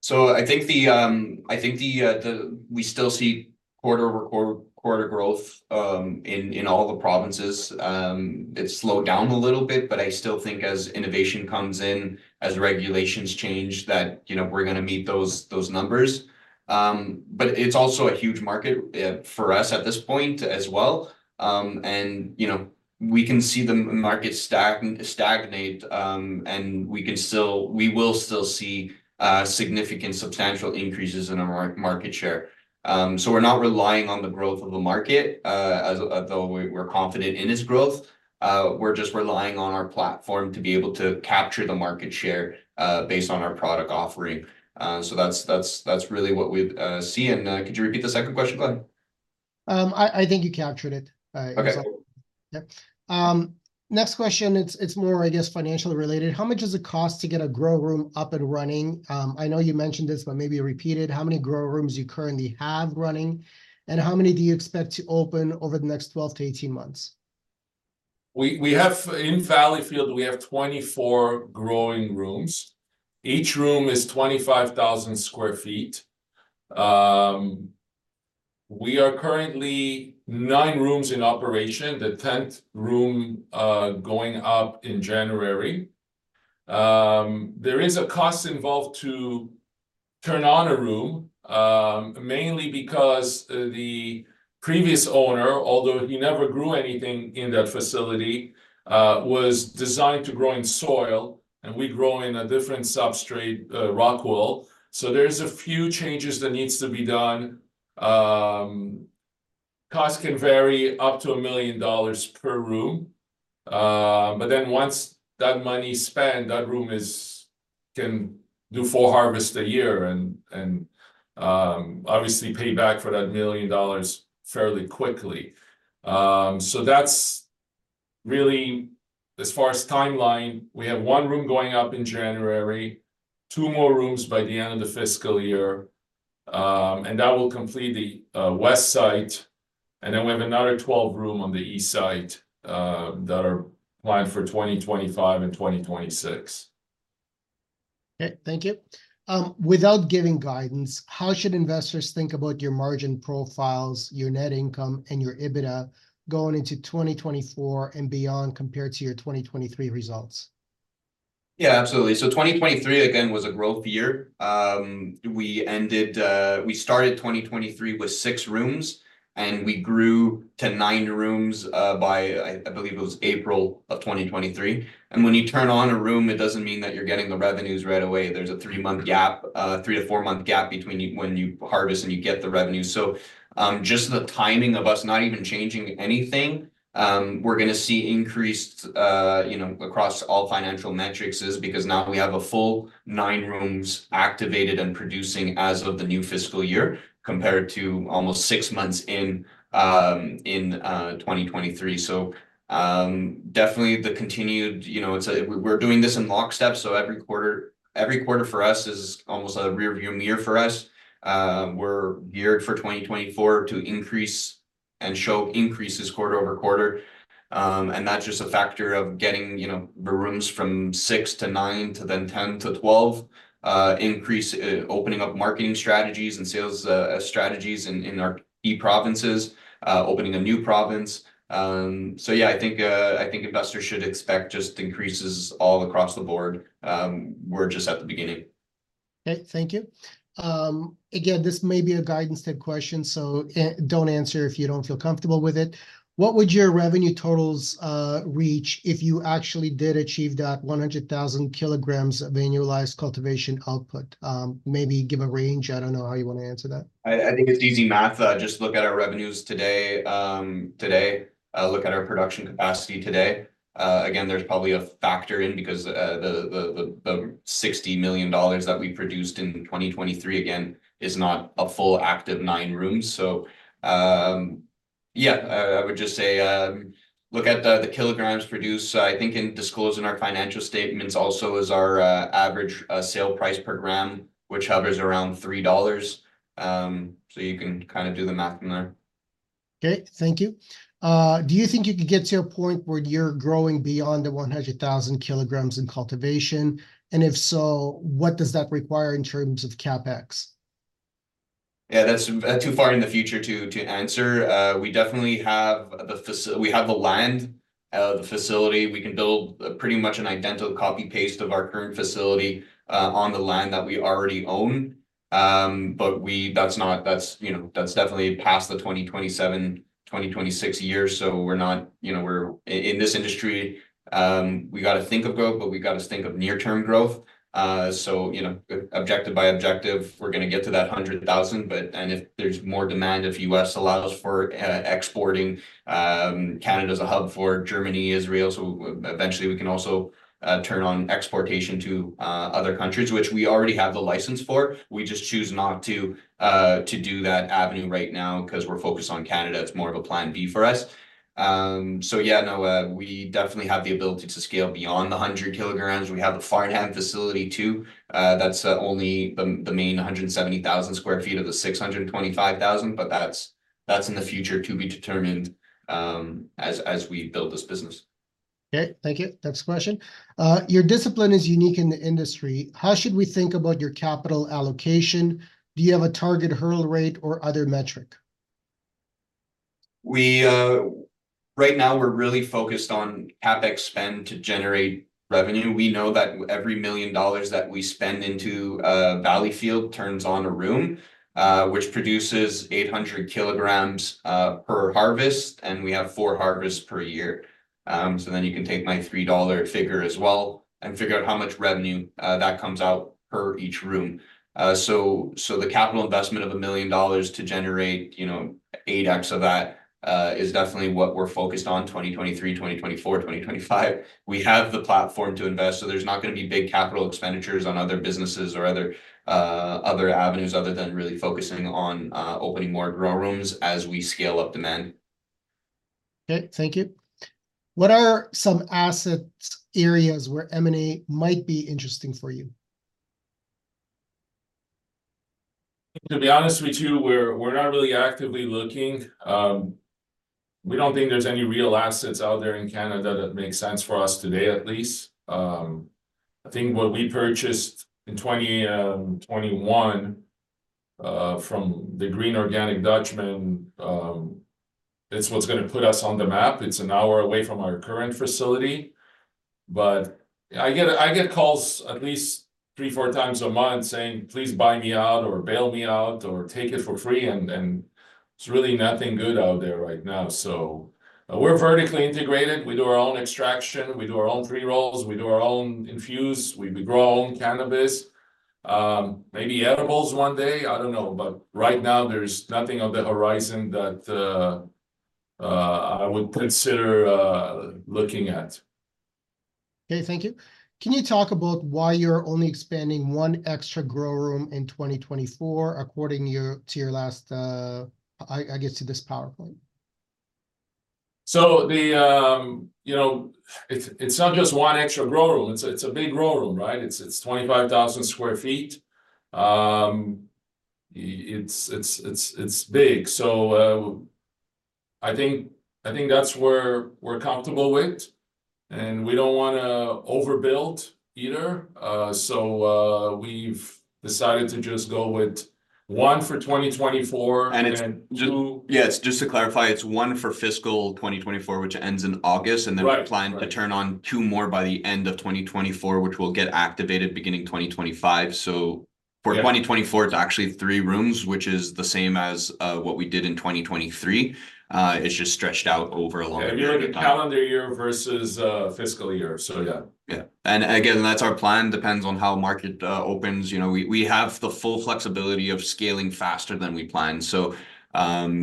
So I think we still see quarter-over-quarter growth in all the provinces. It's slowed down a little bit, but I still think as innovation comes in, as regulations change, that you know we're gonna meet those numbers. But it's also a huge market for us at this point as well. And you know we can see the market stagnate and we will still see significant substantial increases in our market share. So we're not relying on the growth of the market although we're confident in its growth. We're just relying on our platform to be able to capture the market share based on our product offering. So that's really what we see. Could you repeat the second question, Glen?...
I think you captured it, so-
Okay.
Yep. Next question, it's, it's more, I guess, financially related. How much does it cost to get a grow room up and running? I know you mentioned this, but maybe repeat it. How many grow rooms do you currently have running, and how many do you expect to open over the next 12-18 months?
We have, in Valleyfield, we have 24 growing rooms. Each room is 25,000 sq ft. We are currently 9 rooms in operation, the 10th room going up in January. There is a cost involved to turn on a room, mainly because the previous owner, although he never grew anything in that facility, was designed to grow in soil, and we grow in a different substrate, Rockwool. So there's a few changes that needs to be done. Cost can vary up to 1 million dollars per room. But then once that money is spent, that room is, can do 4 harvests a year and, obviously pay back for that 1 million dollars fairly quickly. So that's really, as far as timeline, we have 1 room going up in January, 2 more rooms by the end of the fiscal year, and that will complete the west site, and then we have another 12 room on the east site that are planned for 2025 and 2026.
Okay, thank you. Without giving guidance, how should investors think about your margin profiles, your net income, and your EBITDA going into 2024 and beyond, compared to your 2023 results?
Yeah, absolutely. So 2023, again, was a growth year. We ended. We started 2023 with 6 rooms, and we grew to 9 rooms, by, I believe it was April of 2023. And when you turn on a room, it doesn't mean that you're getting the revenues right away. There's a 3-month gap, 3- to 4-month gap between when you harvest and you get the revenue. So, just the timing of us not even changing anything, we're gonna see increased, you know, across all financial metrics is because now we have a full 9 rooms activated and producing as of the new fiscal year, compared to almost 6 months in 2023. So, definitely the continued, you know, it's we're doing this in lockstep, so every quarter, every quarter for us is almost a rearview mirror for us. We're geared for 2024 to increase and show increases quarter over quarter. And that's just a factor of getting, you know, the rooms from 6 to 9 to then 10 to 12, increase, opening up marketing strategies and sales, strategies in, in our key provinces, opening a new province. So yeah, I think, I think investors should expect just increases all across the board. We're just at the beginning.
Okay, thank you. Again, this may be a guidance type question, so, don't answer if you don't feel comfortable with it: What would your revenue totals reach if you actually did achieve that 100,000 kilograms of annualized cultivation output? Maybe give a range. I don't know how you want to answer that.
I think it's easy math. Just look at our revenues today, today, look at our production capacity today. Again, there's probably a factor in because the 60 million dollars that we produced in 2023, again, is not a full active 9 rooms. So, yeah, I would just say, look at the kilograms produced. I think in disclosing our financial statements also is our average sale price per gram, which hovers around 3 dollars. So you can kind of do the math from there.
Okay, thank you. Do you think you could get to a point where you're growing beyond the 100,000 kilograms in cultivation? And if so, what does that require in terms of CapEx?
Yeah, that's too far in the future to answer. We definitely have the facility. We have the land, the facility. We can build pretty much an identical copy-paste of our current facility on the land that we already own. But we... That's not, you know, that's definitely past the 2027, 2026 years, so we're not, you know, we're... In this industry, we got to think of growth, but we got to think of near-term growth. So, you know, objective by objective, we're gonna get to that 100,000, but, and if there's more demand, if U.S. allows for exporting, Canada as a hub for Germany, Israel, so eventually, we can also turn on exportation to other countries, which we already have the license for. We just choose not to, to do that avenue right now 'cause we're focused on Canada. It's more of a plan B for us. So yeah, no, we definitely have the ability to scale beyond the 100 kilograms. We have the Farnham facility, too. That's only the main 170,000 sq ft of the 625,000, but that's in the future to be determined, as we build this business.
Okay, thank you. Next question. Your discipline is unique in the industry. How should we think about your capital allocation? Do you have a target hurdle rate or other metric?
We right now, we're really focused on CapEx spend to generate revenue. We know that every million dollars that we spend into Valleyfield turns on a room, which produces 800 kilograms per harvest, and we have 4 harvests per year. So then you can take my 3 dollar figure as well and figure out how much revenue that comes out per each room. So the capital investment of 1 million dollars to generate, you know, 8x of that is definitely what we're focused on, 2023, 2024, 2025. We have the platform to invest, so there's not gonna be big capital expenditures on other businesses or other avenues other than really focusing on opening more grow rooms as we scale up demand.
Okay, thank you. What are some asset areas where M&A might be interesting for you?
To be honest with you, we're not really actively looking. We don't think there's any real assets out there in Canada that make sense for us today, at least. I think what we purchased in 2021 from The Green Organic Dutchman, it's what's gonna put us on the map. It's an hour away from our current facility, but I get calls at least 3-4 times a month saying, "Please buy me out, or bail me out, or take it for free." And there's really nothing good out there right now. So we're vertically integrated. We do our own extraction, we do our own pre-rolls, we do our own infused, we grow our own cannabis. Maybe edibles one day, I don't know, but right now there's nothing on the horizon that I would consider looking at.
Okay, thank you. Can you talk about why you're only expanding one extra grow room in 2024, according to your last, I guess, to this PowerPoint?
So, you know, it's not just one extra grow room, it's a big grow room, right? It's 25,000 square feet. It's big. So, I think that's where we're comfortable with, and we don't wanna overbuild either. So, we've decided to just go with one for 2024, and then two-
Yeah, just to clarify, it's one for fiscal 2024, which ends in August.
Right.
Then we're planning to turn on two more by the end of 2024, which will get activated beginning 2025 so. For 2024, it's actually three rooms, which is the same as what we did in 2023. It's just stretched out over a longer period of time.
Yeah, calendar year versus fiscal year. So, yeah.
Yeah. Again, that's our plan. Depends on how market opens. You know, we have the full flexibility of scaling faster than we planned. So,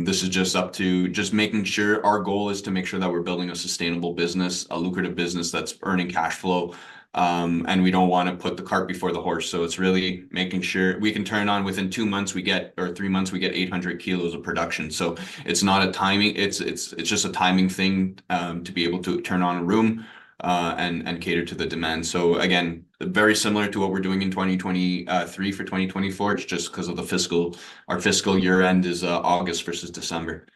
this is just up to just making sure... Our goal is to make sure that we're building a sustainable business, a lucrative business that's earning cash flow. And we don't want to put the cart before the horse, so it's really making sure... We can turn on, within two months we get, or three months we get 800 kilos of production. So it's not a timing, it's just a timing thing, to be able to turn on a room, and cater to the demand. So again, very similar to what we're doing in 2020, three for 2024, it's just 'cause of the fiscal... Our fiscal year end is, August versus December.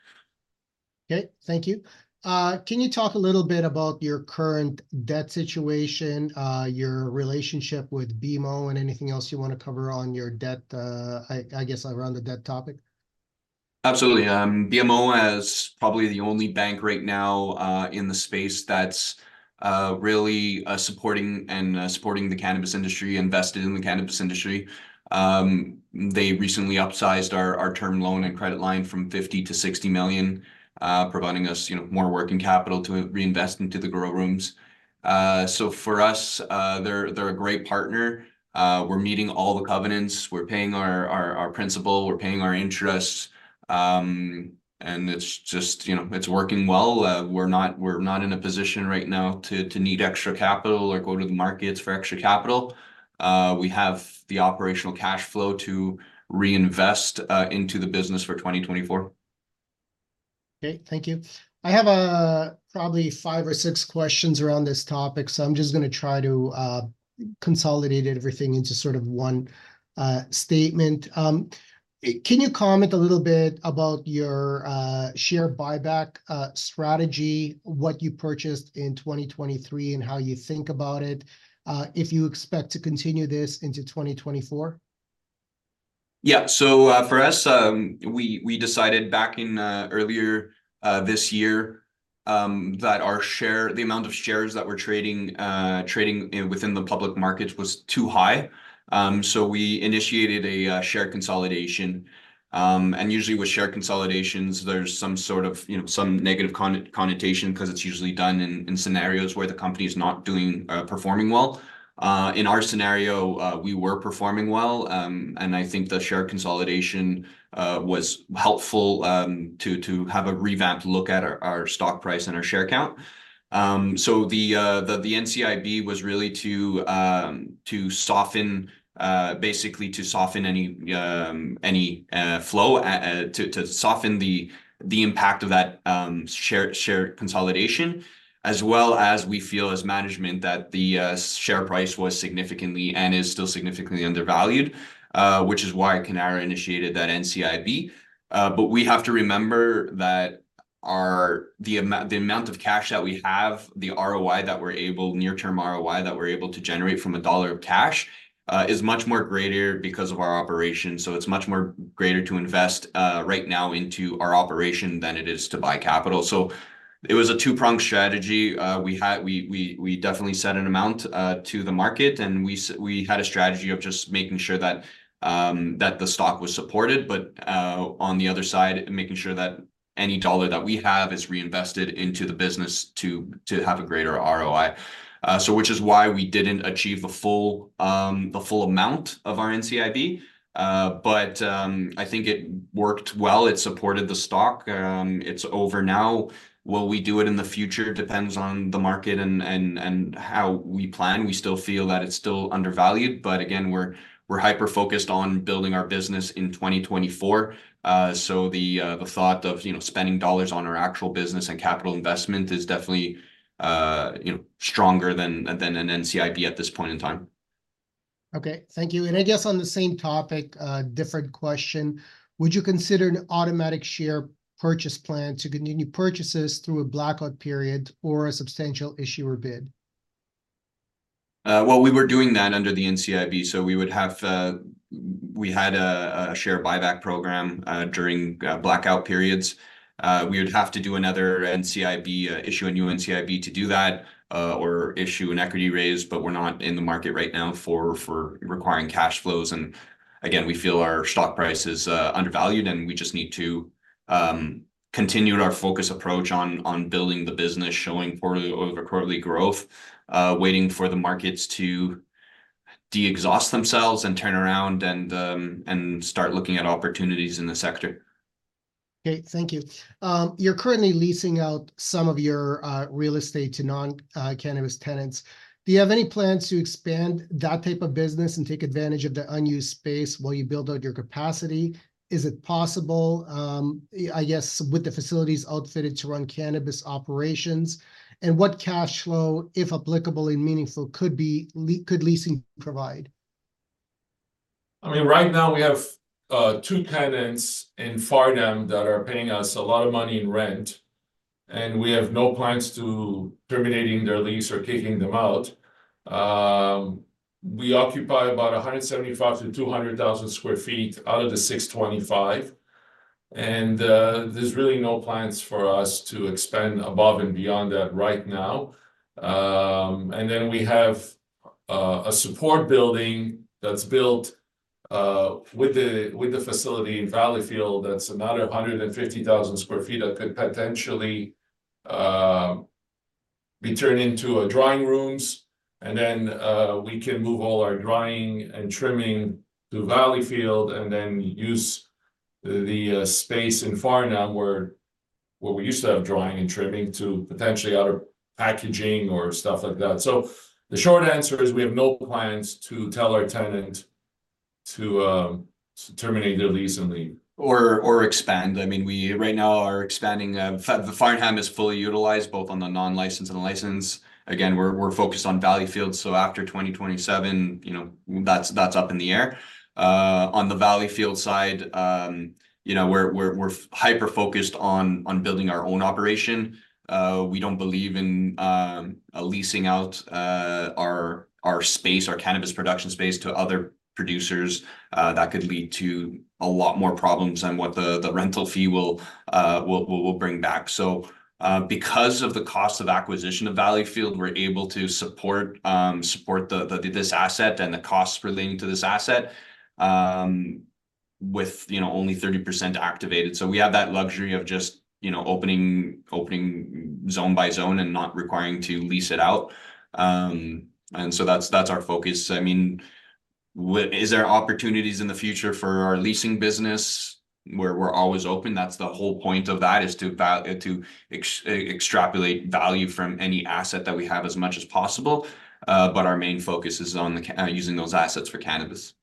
Okay, thank you. Can you talk a little bit about your current debt situation, your relationship with BMO, and anything else you want to cover on your debt, I guess, around the debt topic?
Absolutely. BMO is probably the only bank right now in the space that's really supporting and supporting the cannabis industry, invested in the cannabis industry. They recently upsized our term loan and credit line from 50 million-60 million, providing us, you know, more working capital to reinvest into the grow rooms. So for us, they're a great partner. We're meeting all the covenants, we're paying our principal, we're paying our interest. And it's just, you know, it's working well. We're not in a position right now to need extra capital or go to the markets for extra capital. We have the operational cash flow to reinvest into the business for 2024.
Okay, thank you. I have probably five or six questions around this topic, so I'm just gonna try to consolidate everything into sort of one statement. Can you comment a little bit about your share buyback strategy, what you purchased in 2023, and how you think about it, if you expect to continue this into 2024?
Yeah. So, for us, we decided back in earlier this year that the amount of shares that we're trading within the public markets was too high. So we initiated a share consolidation. And usually with share consolidations, there's some sort of, you know, some negative connotation, 'cause it's usually done in scenarios where the company is not performing well. In our scenario, we were performing well, and I think the share consolidation was helpful to have a revamped look at our stock price and our share count. So the NCIB was really to basically soften any fallout, to soften the impact of that share consolidation. As well as we feel as management, that the share price was significantly and is still significantly undervalued, which is why Cannara initiated that NCIB. But we have to remember that our... the amount of cash that we have, the ROI that we're able, near-term ROI, that we're able to generate from a dollar of cash, is much more greater because of our operations. So it's much more greater to invest right now into our operation than it is to buy capital. So it was a two-pronged strategy. We had- we definitely set an amount to the market, and we had a strategy of just making sure that that the stock was supported, but on the other side, making sure that-... Any dollar that we have is reinvested into the business to to have a greater ROI. So which is why we didn't achieve the full the full amount of our NCIB. But I think it worked well. It supported the stock. It's over now. Will we do it in the future? Depends on the market and and and how we plan. We still feel that it's still undervalued, but again, we're we're hyper-focused on building our business in 2024. So the the thought of, you know, spending dollars on our actual business and capital investment is definitely, you know, stronger than than an NCIB at this point in time.
Okay, thank you. I guess on the same topic, a different question: would you consider an automatic share purchase plan to continue purchases through a blackout period or a substantial issuer bid?
Well, we were doing that under the NCIB, so we would have, we had a, a share buyback program, during blackout periods. We would have to do another NCIB, issue a new NCIB to do that, or issue an equity raise, but we're not in the market right now for, for requiring cash flows. And again, we feel our stock price is undervalued, and we just need to continue our focus approach on, on building the business, showing quarter-over-quarter growth, waiting for the markets to de-exhaust themselves and turn around and, and start looking at opportunities in the sector.
Great, thank you. You're currently leasing out some of your real estate to non-cannabis tenants. Do you have any plans to expand that type of business and take advantage of the unused space while you build out your capacity? Is it possible, I guess, with the facilities outfitted to run cannabis operations, and what cash flow, if applicable and meaningful, could leasing provide?
I mean, right now, we have two tenants in Farnham that are paying us a lot of money in rent, and we have no plans to terminating their lease or kicking them out. We occupy about 175,000-200,000 sq ft out of the 625,000, and there's really no plans for us to expand above and beyond that right now. And then we have a support building that's built with the facility in Valleyfield, that's another 150,000 sq ft that could potentially be turned into drying rooms. And then we can move all our drying and trimming to Valleyfield and then use the space in Farnham, where we used to have drying and trimming, to potentially other packaging or stuff like that. The short answer is, we have no plans to tell our tenants to terminate their lease and leave.
Or, or expand. I mean, we right now are expanding. The Farnham is fully utilized, both on the non-licensed and the licensed. Again, we're focused on Valleyfield, so after 2027, you know, that's up in the air. On the Valleyfield side, you know, we're hyper-focused on building our own operation. We don't believe in leasing out our space, our cannabis production space to other producers. That could lead to a lot more problems than what the rental fee will bring back. So, because of the cost of acquisition of Valleyfield, we're able to support this asset and the costs relating to this asset, with, you know, only 30% activated. So we have that luxury of just, you know, opening zone by zone and not requiring to lease it out. So that's our focus. I mean, is there opportunities in the future for our leasing business? We're always open. That's the whole point of that, is to extrapolate value from any asset that we have as much as possible. But our main focus is on using those assets for cannabis.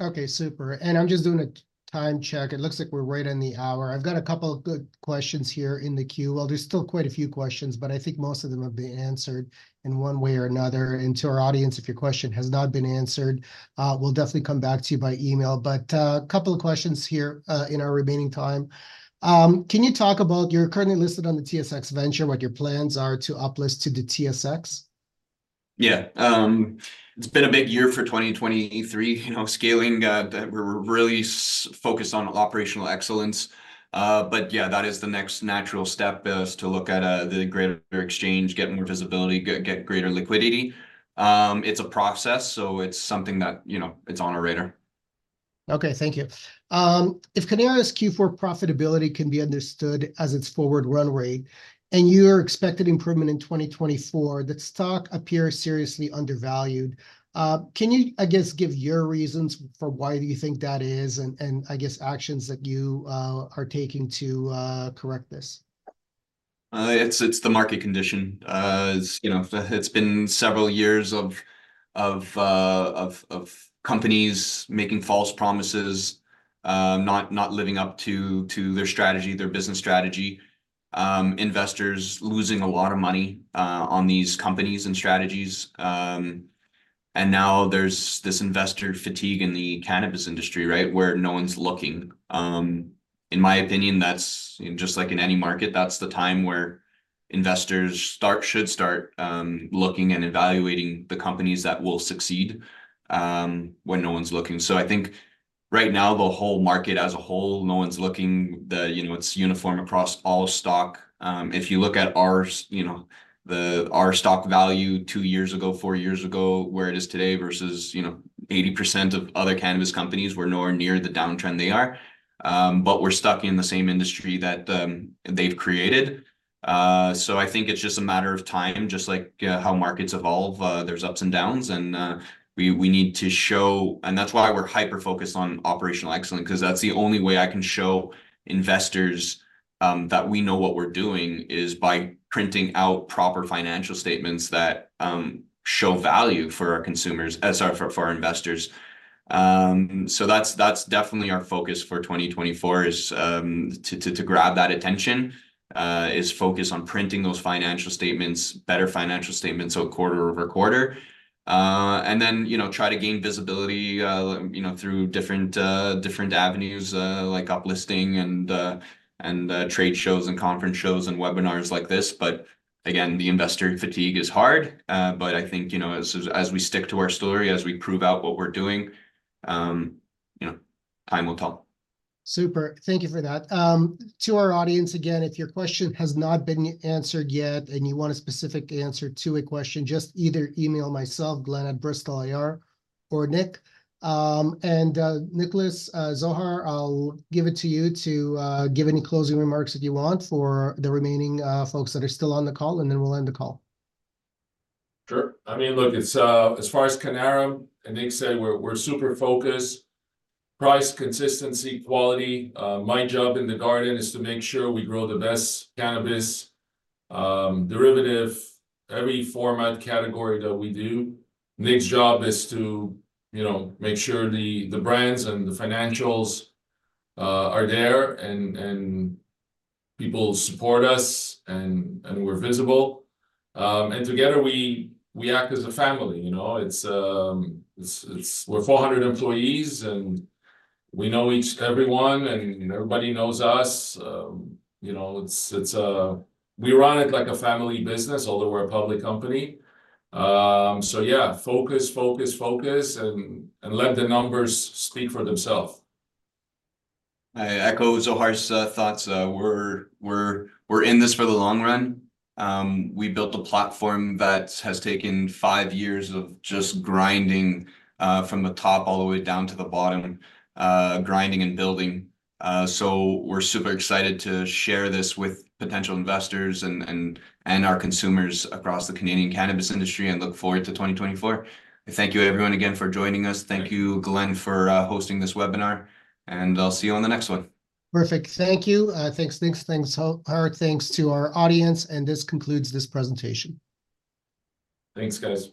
Okay, super. I'm just doing a time check. It looks like we're right on the hour. I've got a couple of good questions here in the queue. Well, there's still quite a few questions, but I think most of them have been answered in one way or another. And to our audience, if your question has not been answered, we'll definitely come back to you by email. But a couple of questions here in our remaining time. Can you talk about, you're currently listed on the TSX Venture, what your plans are to uplist to the TSX?
Yeah. It's been a big year for 2023. You know, scaling, we're really focused on operational excellence. But yeah, that is the next natural step, is to look at the greater exchange, get more visibility, get greater liquidity. It's a process, so it's something that, you know, it's on our radar.
Okay, thank you. If Cannara's Q4 profitability can be understood as its forward run rate, and your expected improvement in 2024, the stock appears seriously undervalued. Can you, I guess, give your reasons for why you think that is, and, and I guess actions that you are taking to correct this?
It's the market condition. As you know, it's been several years of companies making false promises, not living up to their strategy, their business strategy. Investors losing a lot of money on these companies and strategies. And now there's this investor fatigue in the cannabis industry, right? Where no one's looking. In my opinion, that's and just like in any market, that's the time where investors start, should start, looking and evaluating the companies that will succeed, when no one's looking. So I think right now, the whole market as a whole, no one's looking. You know, it's uniform across all stock. If you look at our stock value two years ago, four years ago, where it is today versus, you know... 80% of other cannabis companies were nowhere near the downtrend they are. But we're stuck in the same industry that they've created. So I think it's just a matter of time, just like how markets evolve. There's ups and downs, and we need to show- and that's why we're hyper-focused on operational excellence, 'cause that's the only way I can show investors that we know what we're doing, is by printing out proper financial statements that show value for our consumers- sorry, for our investors. So that's definitely our focus for 2024 is to grab that attention. Is focus on printing those financial statements, better financial statements so quarter-over-quarter. And then, you know, try to gain visibility, you know, through different avenues, like uplisting and trade shows and conference shows and webinars like this. But again, the investor fatigue is hard. But I think, you know, as we stick to our story, as we prove out what we're doing, you know, time will tell.
Super. Thank you for that. To our audience, again, if your question has not been answered yet, and you want a specific answer to a question, just either email myself, Glen@bristolir, or Nick. Nicholas, Zohar, I'll give it to you to give any closing remarks that you want for the remaining folks that are still on the call, and then we'll end the call.
Sure. I mean, look, it's as far as Cannara, and Nick said we're super focused, price, consistency, quality. My job in the garden is to make sure we grow the best cannabis derivative, every format category that we do. Nick's job is to, you know, make sure the brands and the financials are there, and people support us, and we're visible. And together we act as a family, you know. It's we're 400 employees, and we know each everyone, and everybody knows us. You know, it's we run it like a family business, although we're a public company. So yeah, focus, focus, focus, and let the numbers speak for themselves.
I echo Zohar's thoughts. We're in this for the long run. We built a platform that has taken five years of just grinding from the top all the way down to the bottom, grinding and building. So we're super excited to share this with potential investors and our consumers across the Canadian cannabis industry and look forward to 2024. Thank you, everyone, again for joining us. Thank you, Glen, for hosting this webinar, and I'll see you on the next one.
Perfect. Thank you. Thanks, Nick. Thanks, Nick. Thanks to our audience, and this concludes this presentation.
Thanks, guys.